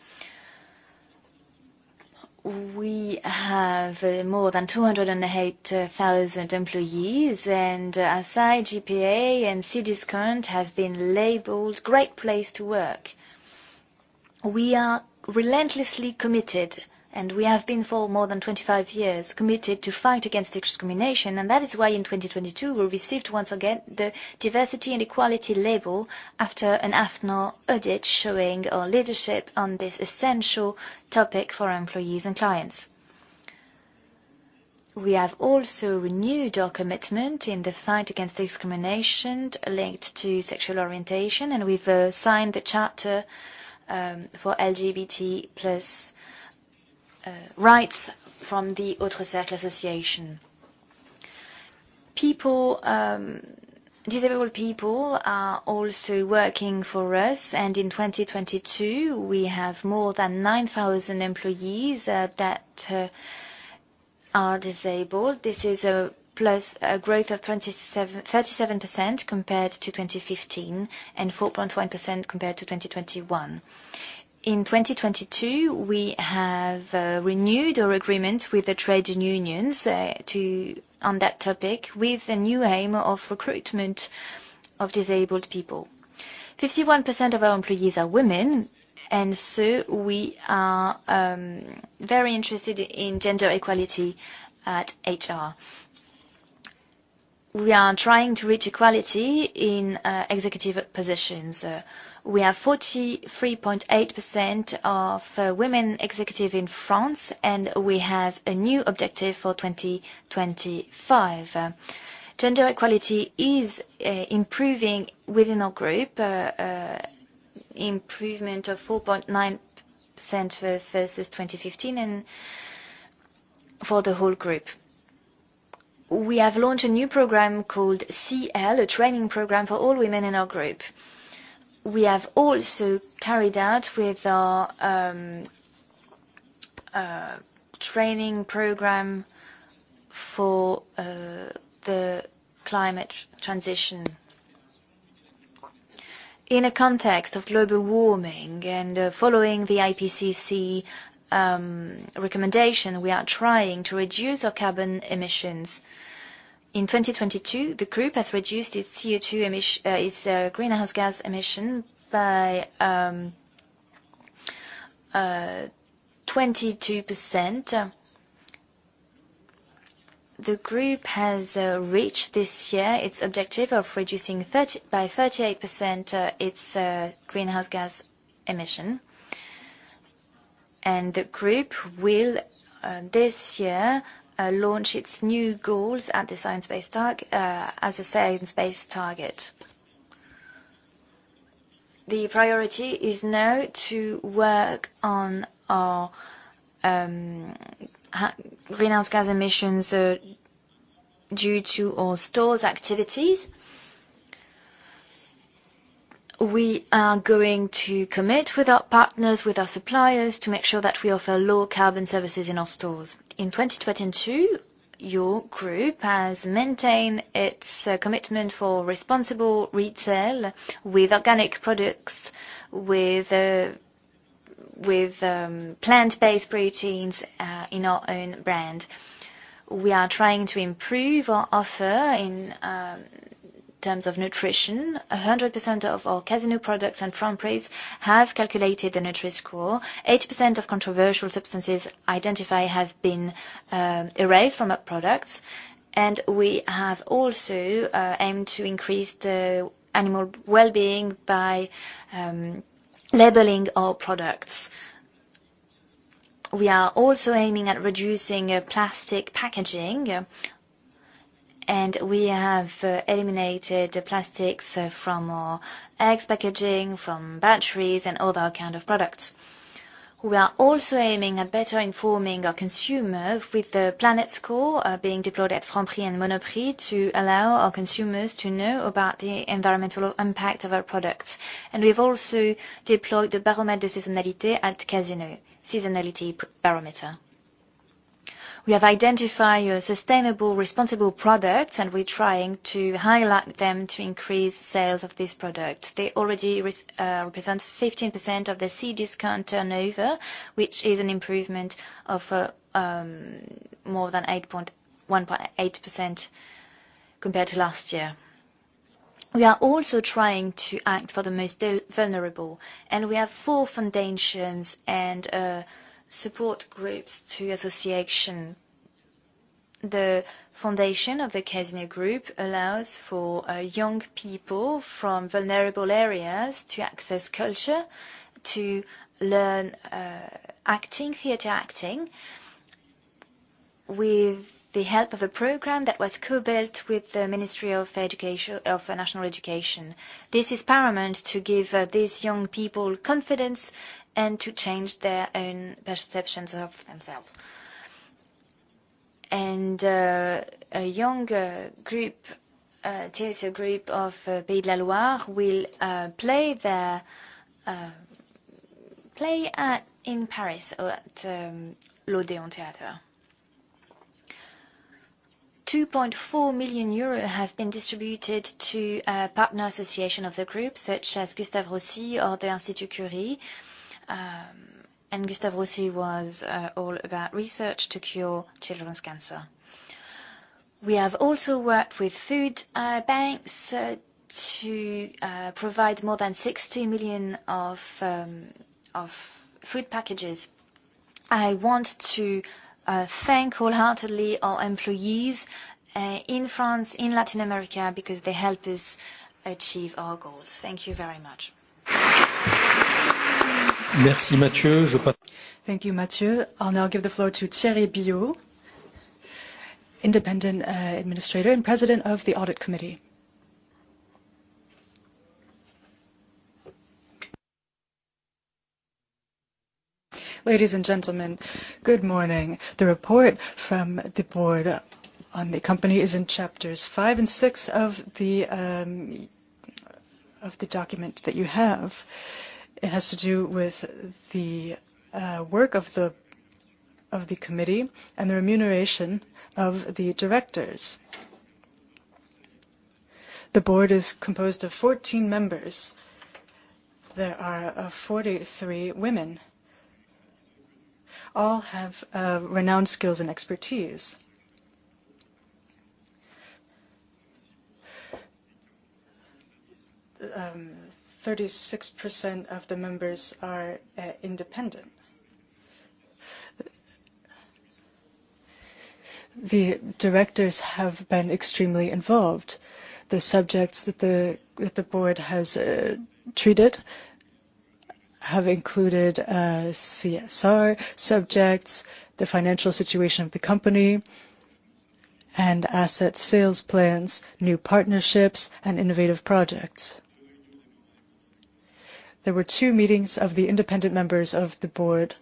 We have more than 208,000 employees, and Assaí, GPA and Cdiscount have been labeled Great Place To Work. We are relentlessly committed, and we have been for more than 25 years, committed to fight against discrimination. That is why in 2022 we received once again the Diversity and Equality label after an AFNOR audit showing our leadership on this essential topic for our employees and clients. We have also renewed our commitment in the fight against discrimination linked to sexual orientation, and we've signed the Charter for LGBT+ rights from the L'Autre Cercle association. People, disabled people are also working for us and in 2022 we have more than 9,000 employees that are disabled. This is a plus, a growth of 37% compared to 2015 and 4.1% compared to 2021. In 2022, we have renewed our agreement with the trade unions on that topic, with the new aim of recruitment of disabled people. 51% of our employees are women. We are very interested in gender equality at HR. We are trying to reach equality in executive positions. We have 43.8% of women executive in France, and we have a new objective for 2025. Gender equality is improving within our group. Improvement of 4.9% versus 2015, and for the whole group. We have launched a new program called CL, a training program for all women in our group. We have also carried out with our training program for the climate transition. In a context of global warming and following the IPCC recommendation, we are trying to reduce our carbon emissions. In 2022, the group has reduced its CO2 greenhouse gas emission by 22%. The group has reached this year its objective of reducing by 38% its greenhouse gas emission. The group will this year launch its new goals as a science-based target. The priority is now to work on our greenhouse gas emissions due to our stores activities. We are going to commit with our partners, with our suppliers to make sure that we offer low carbon services in our stores. In 2022, your group has maintained its commitment for responsible retail with organic products, with plant-based proteins in our own brand. We are trying to improve our offer in terms of nutrition. 100% of our Casino products and Franprix have calculated the Nutri-Score. 80% of controversial substances identified have been erased from our products. We have also aimed to increase the animal wellbeing by labeling our products. We are also aiming at reducing plastic packaging, and we have eliminated the plastics from our eggs packaging, from batteries and other kind of products. We are also aiming at better informing our consumer with the Planet Score being deployed at Franprix and Monoprix to allow our consumers to know about the environmental impact of our products. We've also deployed the baromètre de saisonnalité at Casino. Seasonality barometer. We have identified your sustainable responsible products, and we're trying to highlight them to increase sales of this product. They already represent 15% of the Cdiscount turnover, which is an improvement of more than 1.8% compared to last year. We are also trying to act for the most vulnerable, and we have four foundations and support groups to association. The foundation of the Casino Group allows for young people from vulnerable areas to access culture, to learn acting, theater acting, with the help of a program that was co-built with the Ministry of National Education. This is paramount to give these young people confidence and to change their own perceptions of themselves. A young theater group of Pays de la Loire will play their play in Paris at Odéon Theatre. 2.4 million euros have been distributed to partner association of the group such as Gustave Roussy or the Institut Curie. Gustave Roussy was all about research to cure children's cancer. We have also worked with food banks to provide more than 60 million of food packages. I want to thank wholeheartedly our employees in France, in Latin America, because they help us achieve our goals. Thank you very much.
Merci, Mathieu.
Thank you, Mathieu. I'll now give the floor to Thierry Billot, independent Administrator and President of the Audit Committee.
Ladies and gentlemen, good morning. The report from the board on the company is in chapters five and six of the document that you have. It has to do with the work of the committee and the remuneration of the directors. The board is composed of 14 members. There are 43 women. All have renowned skills and expertise. 36% of the members are independent. The directors have been extremely involved. The subjects that the board has treated have included CSR subjects, the financial situation of the company and asset sales plans, new partnerships and innovative projects. There were two meetings of the independent members of the board.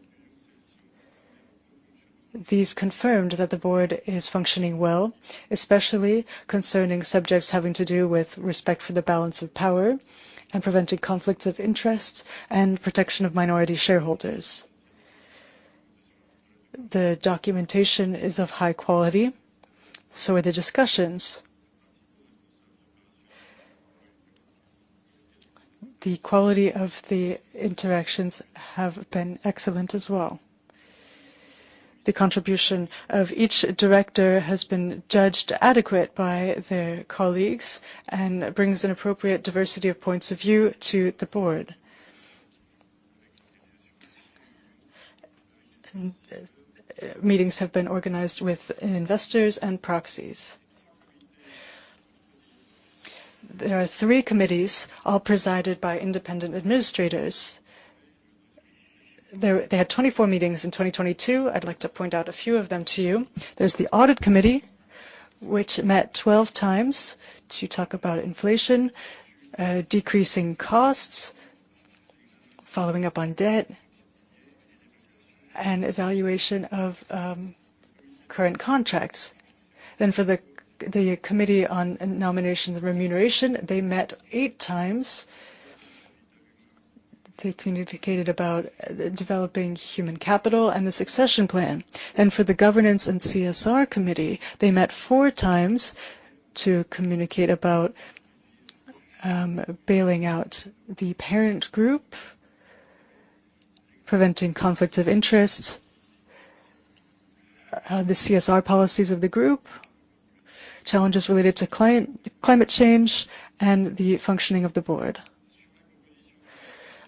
These confirmed that the board is functioning well, especially concerning subjects having to do with respect for the balance of power and preventing conflicts of interests and protection of minority shareholders. The documentation is of high quality, so are the discussions. The quality of the interactions have been excellent as well. The contribution of each director has been judged adequate by their colleagues and brings an appropriate diversity of points of view to the board. Meetings have been organized with investors and proxies. There are three committees, all presided by independent administrators. They had 24 meetings in 2022. I'd like to point out a few of them to you. There's the audit committee, which met 12 times to talk about inflation, decreasing costs following up on debt and evaluation of current contracts. For the committee on nomination, the remuneration, they met eight times. They communicated about developing human capital and the succession plan. For the governance and CSR committee, they met four times to communicate about bailing out the parent group, preventing conflict of interests, the CSR policies of the group, challenges related to climate change, and the functioning of the board.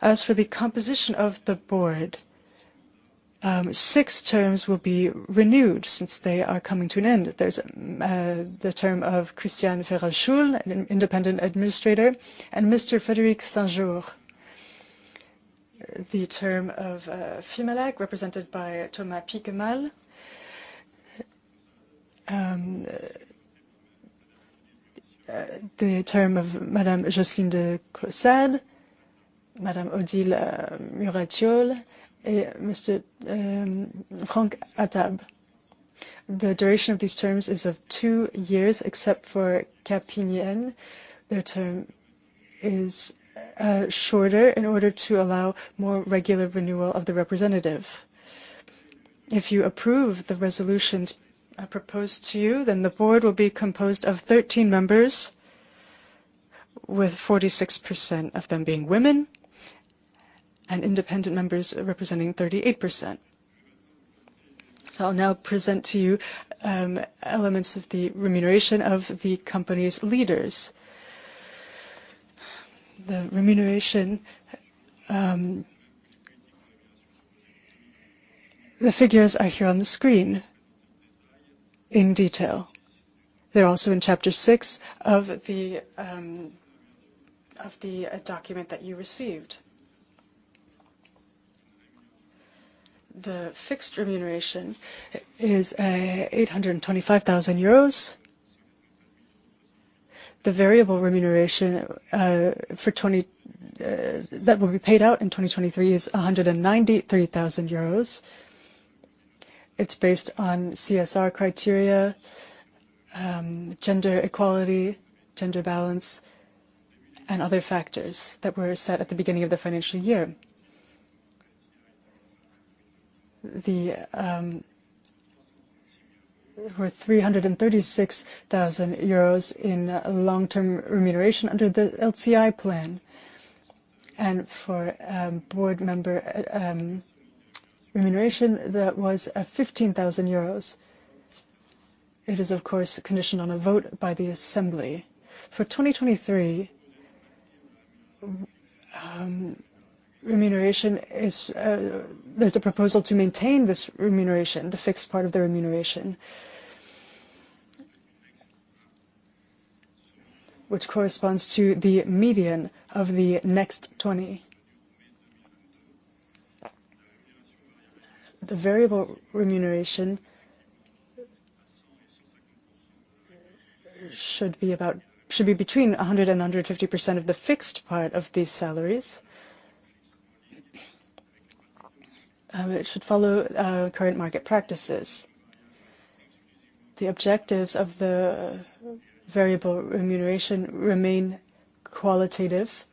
As for the composition of the board, six terms will be renewed since they are coming to an end. There's the term of Christiane Féral-Schuhl, an independent Administrator, and Mr. Frédéric Saint-Geours. The term of Fimalac, represented by Thomas Piquemal. The term of Madame Josseline de Clausade, Madame Odile Muracciole, and Mr. Franck Hattab. The duration of these terms is of two years, except for Capinghem. Their term is shorter in order to allow more regular renewal of the representative. You approve the resolutions proposed to you, the board will be composed of 13 members, with 46% of them being women and independent members representing 38%. I'll now present to you elements of the remuneration of the company's leaders. The remuneration. The figures are here on the screen in detail. They're also in chapter six of the document that you received. The fixed remuneration is EUR 825,000. The variable remuneration that will be paid out in 2023 is 193,000 euros. It's based on CSR criteria, gender equality, gender balance, and other factors that were set at the beginning of the financial year. There were 336,000 euros in long-term remuneration under the LTI plan. For board member remuneration, that was 15,000 euros. It is, of course, conditioned on a vote by the assembly. For 2023, there's a proposal to maintain this remuneration, the fixed part of the remuneration, which corresponds to the median of the next 20. The variable remuneration should be between 100%-150% of the fixed part of these salaries. It should follow current market practices. The objectives of the variable remuneration remain qualitative,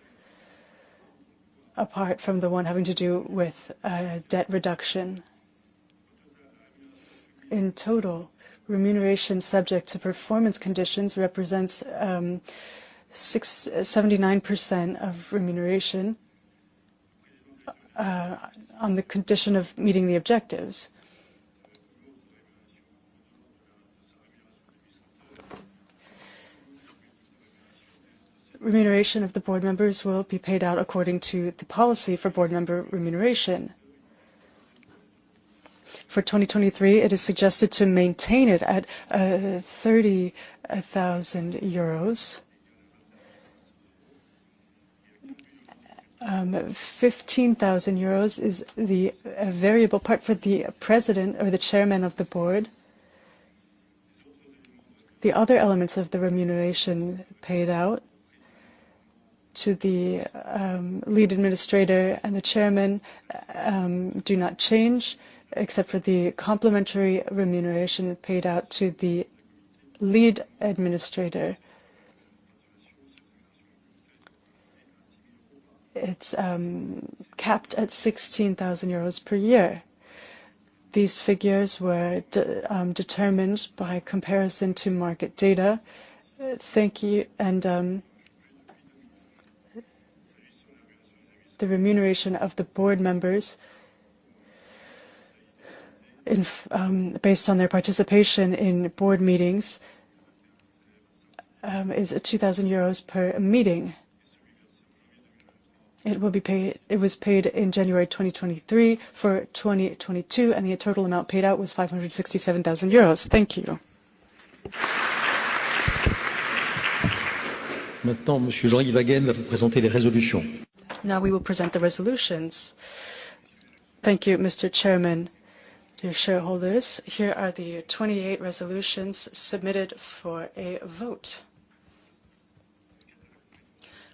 apart from the one having to do with debt reduction. In total, remuneration subject to performance conditions represents 79% of remuneration on the condition of meeting the objectives. Remuneration of the board members will be paid out according to the policy for board member remuneration. For 2023, it is suggested to maintain it at 30,000 euros. 15,000 euros is the variable part for the president or the chairman of the board. The other elements of the remuneration paid out to the lead administrator and the chairman do not change, except for the complementary remuneration paid out to the lead administrator. It's capped at 16,000 euros per year. These figures were determined by comparison to market data. Thank you. The remuneration of the board members based on their participation in board meetings is 2,000 EUR per meeting. It was paid in January 2023 for 2022, and the total amount paid out was 567,000 euros. Thank you. Now we will present the resolutions. Thank you, Mr. Chairman.
Dear shareholders, here are the 28 resolutions submitted for a vote.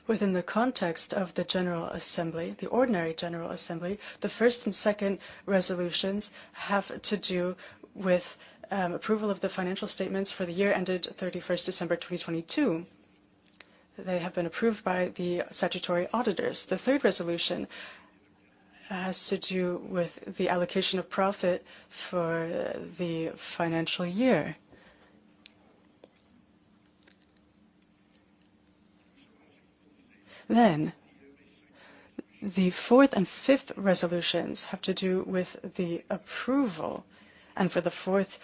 Within the context of the general assembly, the ordinary general assembly, the first and second resolutions have to do with approval of the financial statements for the year ended December 31st, 2022. They have been approved by the statutory auditors. The third resolution has to do with the allocation of profit for the financial year. The fourth and fifth resolutions have to do with the approval, and for the fourth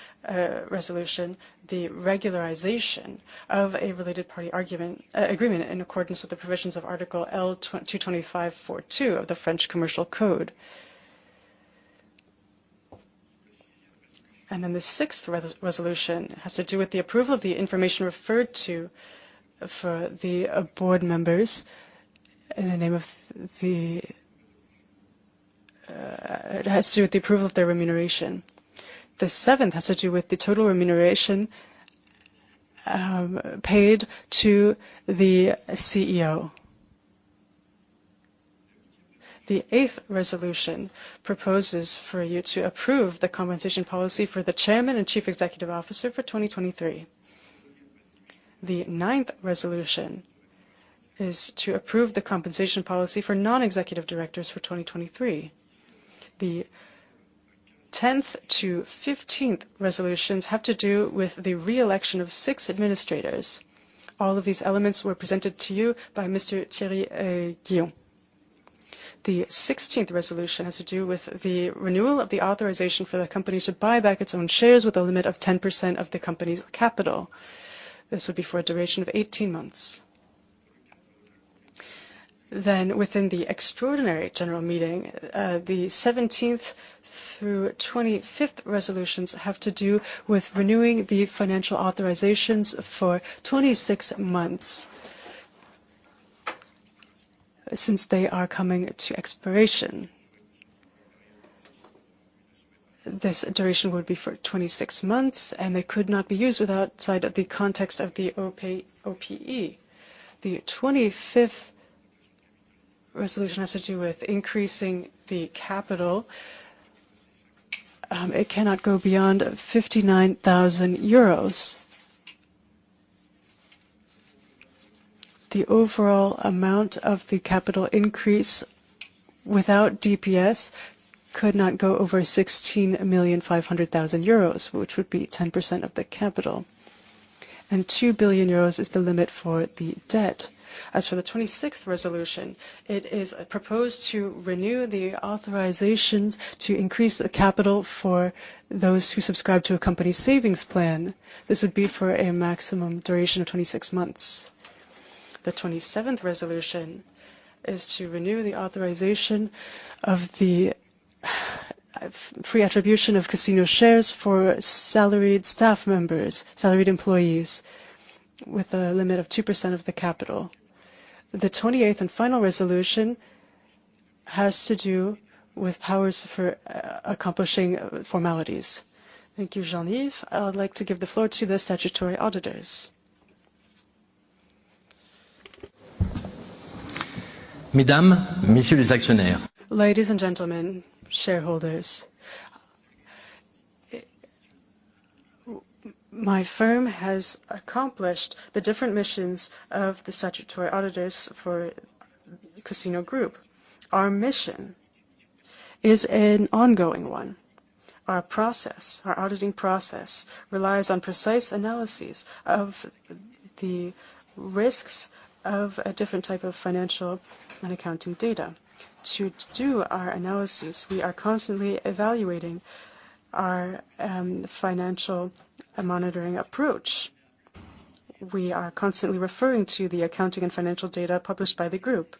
resolution, the regularization of a related party agreement in accordance with the provisions of Article L225-42 of the French Commercial Code. The sixth resolution has to do with the approval of the information referred to for the board members in the name of the, it has to do with the approval of their remuneration. The seventh has to do with the total remuneration paid to the CEO. The eighth resolution proposes for you to approve the compensation policy for the chairman and chief executive officer for 2023. The 9th resolution is to approve the compensation policy for non-executive directors for 2023. The 10th-15th resolutions have to do with the reelection of six administrators. All of these elements were presented to you by Mr. Thierry Billot. The 16th resolution has to do with the renewal of the authorization for the company to buy back its own shares with a limit of 10% of the company's capital. This would be for a duration of 18 months. Within the extraordinary general meeting, the 17th-25th resolutions have to do with renewing the financial authorizations for 26 months since they are coming to expiration. This duration would be for 26 months. They could not be used without-side of the context of the OPE. The 25th resolution has to do with increasing the capital. It cannot go beyond 59,000 euros. The overall amount of the capital increase without DPS could not go over 16.5 million euros, which would be 10% of the capital. 2 billion euros is the limit for the debt. As for the 26th resolution, it is proposed to renew the authorizations to increase the capital for those who subscribe to a company savings plan. This would be for a maximum duration of 26 months. The 27th resolution is to renew the authorization of the free attribution of Casino shares for salaried staff members, salaried employees with a limit of 2% of the capital. The 28th and final resolution has to do with powers for accomplishing formalities.
Thank you, Jean-Yves. I would like to give the floor to the statutory auditors.
Ladies and gentlemen, shareholders, my firm has accomplished the different missions of the statutory auditors for Casino Group. Our mission is an ongoing one. Our process, our auditing process relies on precise analysis of the risks of a different type of financial and accounting data. To do our analysis, we are constantly evaluating our financial and monitoring approach. We are constantly referring to the accounting and financial data published by the group.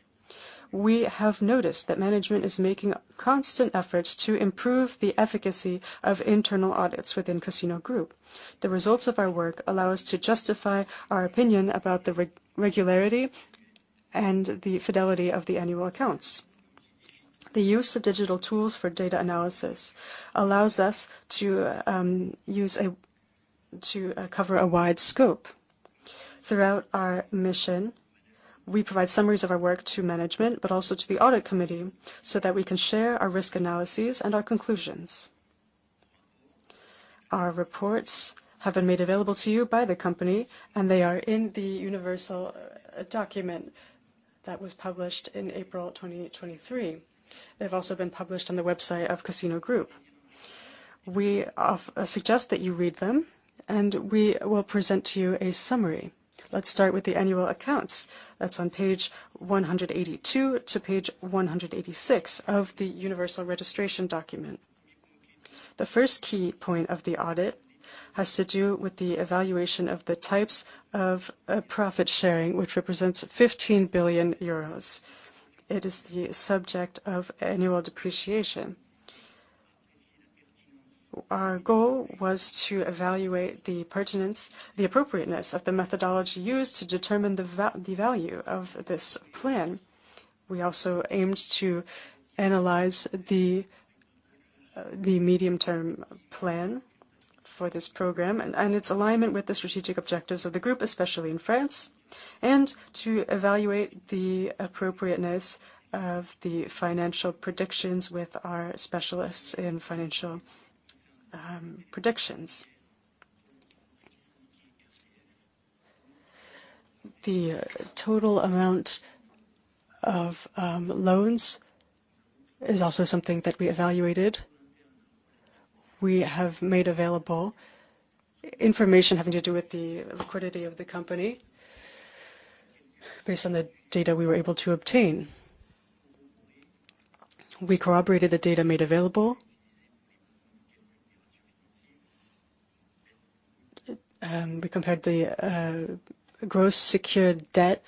We have noticed that management is making constant efforts to improve the efficacy of internal audits within Casino Group. The results of our work allow us to justify our opinion about the regularity and the fidelity of the annual accounts. The use of digital tools for data analysis allows us to cover a wide scope. Throughout our mission, we provide summaries of our work to management, but also to the audit committee, so that we can share our risk analyses and our conclusions. Our reports have been made available to you by the company, they are in the universal document that was published in April 2023. They've also been published on the website of Casino Group. We suggest that you read them, we will present to you a summary. Let's start with the annual accounts. That's on page 182 to page 186 of the universal registration document. The first key point of the audit has to do with the evaluation of the types of profit sharing, which represents 15 billion euros. It is the subject of annual depreciation. Our goal was to evaluate the pertinence, the appropriateness of the methodology used to determine the value of this plan. We also aimed to analyze the medium-term plan for this program and its alignment with the strategic objectives of the Group, especially in France, and to evaluate the appropriateness of the financial predictions with our specialists in financial predictions. The total amount of loans is also something that we evaluated. We have made available information having to do with the liquidity of the company based on the data we were able to obtain. We corroborated the data made available. We compared the gross secured debt,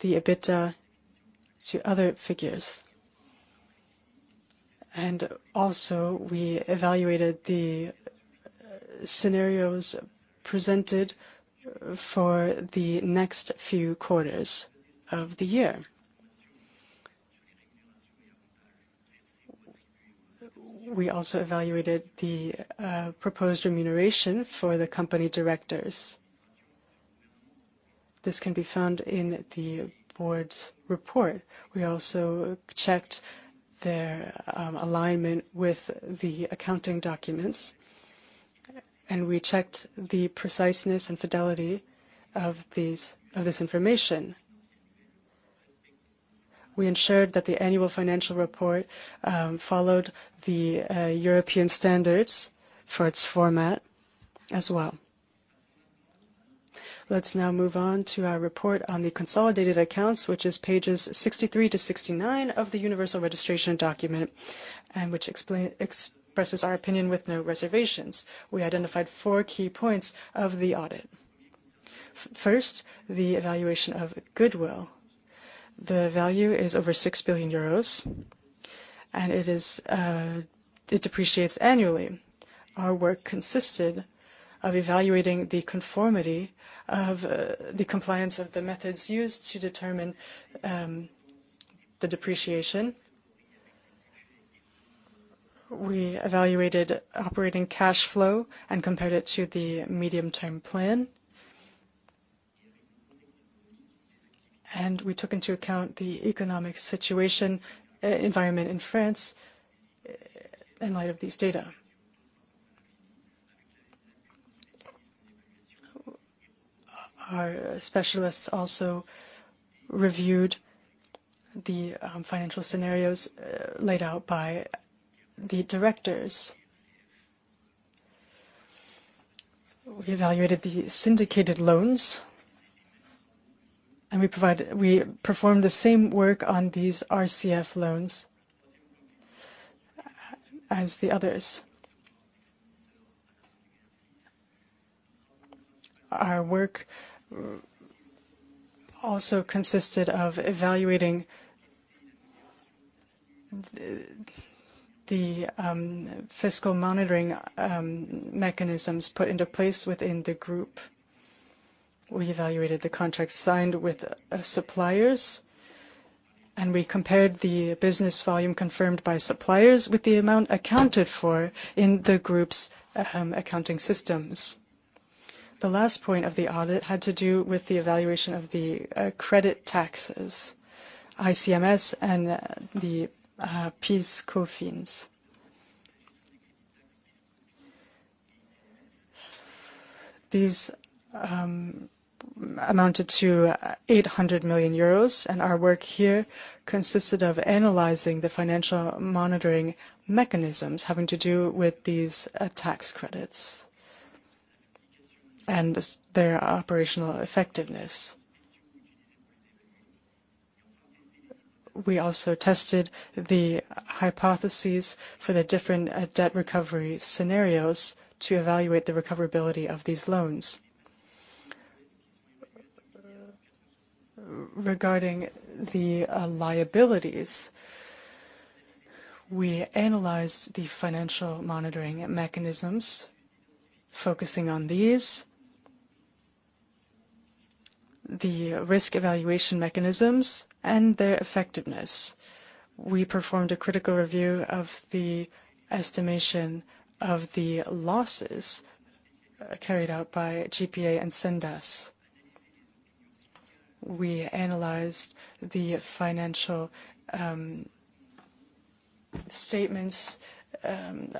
the EBITDA, to other figures. We also evaluated the scenarios presented for the next few quarters of the year. We also evaluated the proposed remuneration for the company directors. This can be found in the board's report. We also checked their alignment with the accounting documents, and we checked the preciseness and fidelity of this information. We ensured that the annual financial report followed the European standards for its format as well. Let's now move on to our report on the consolidated accounts, which is pages 63-69 of the universal registration document, and which expresses our opinion with no reservations. We identified four key points of the audit. First, the evaluation of goodwill. The value is over 6 billion euros, and it depreciates annually. Our work consisted of evaluating the compliance of the methods used to determine the depreciation. We evaluated operating cash flow and compared it to the medium-term plan. We took into account the economic situation, environment in France in light of this data. Our specialists also reviewed the financial scenarios laid out by the directors. We evaluated the syndicated loans, we performed the same work on these RCF loans as the others. Our work also consisted of evaluating the fiscal monitoring mechanisms put into place within the group. We evaluated the contracts signed with suppliers, we compared the business volume confirmed by suppliers with the amount accounted for in the group's accounting systems. The last point of the audit had to do with the evaluation of the credit taxes, ICMS, and the PIS/COFINS. These amounted to 800 million euros, and our work here consisted of analyzing the financial monitoring mechanisms having to do with these tax credits and their operational effectiveness. We also tested the hypotheses for the different debt recovery scenarios to evaluate the recoverability of these loans. Regarding the liabilities, we analyzed the financial monitoring mechanisms, focusing on these, the risk evaluation mechanisms, and their effectiveness. We performed a critical review of the estimation of the losses carried out by GPA and Sendas. We analyzed the financial statements,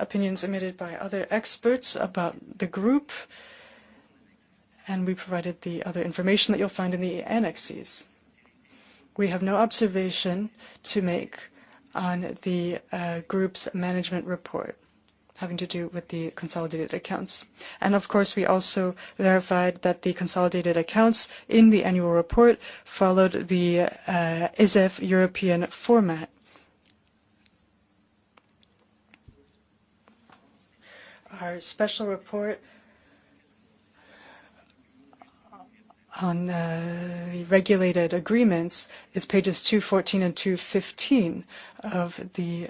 opinions emitted by other experts about the group, and we provided the other information that you'll find in the annexes. We have no observation to make on the group's management report having to do with the consolidated accounts. Of course, we also verified that the consolidated accounts in the annual report followed the IFRS European format. Our special report on the regulated agreements is pages 214 and 215 of the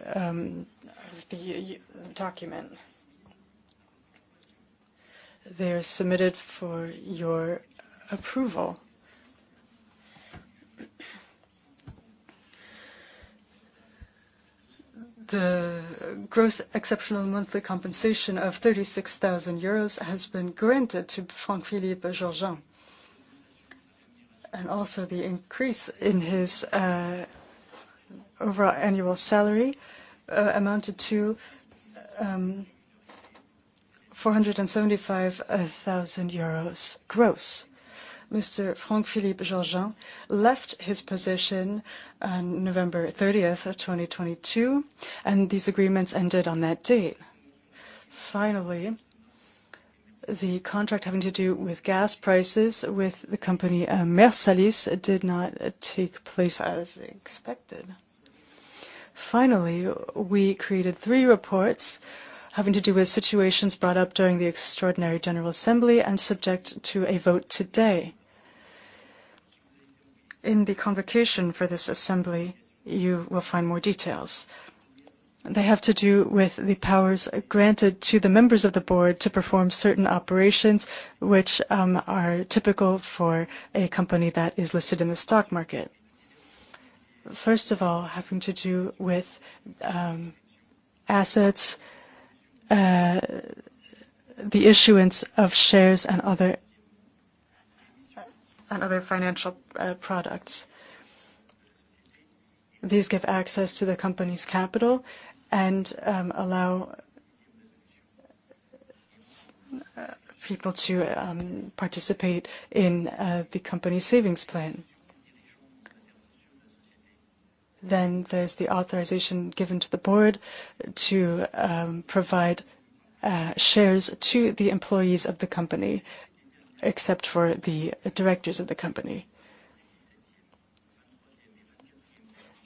document. They're submitted for your approval. The gross exceptional monthly compensation of 36,000 euros has been granted to Franck-Philippe Georgin. Also the increase in his overall annual salary amounted to 47,000 euros gross. Mr. Franck-Philippe Georgin left his position on November 30th of 2022, and these agreements ended on that date. Finally, the contract having to do with gas prices with the company Mercialys did not take place as expected. Finally, we created three reports having to do with situations brought up during the extraordinary general assembly and subject to a vote today. In the convocation for this assembly, you will find more details. They have to do with the powers granted to the members of the board to perform certain operations which are typical for a company that is listed in the stock market. First of all, having to do with assets, the issuance of shares and other, and other financial products. These give access to the company's capital and allow people to participate in the company's savings plan. There's the authorization given to the board to provide shares to the employees of the company, except for the directors of the company.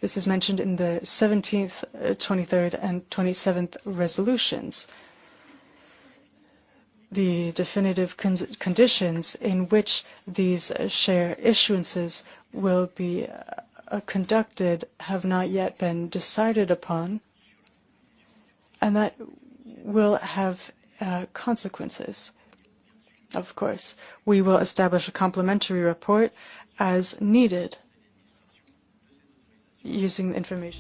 This is mentioned in the 17th, 23rd, and 27th resolutions. The definitive conditions in which these share issuances will be conducted have not yet been decided upon, and that will have consequences. Of course, we will establish a complementary report as needed using the information.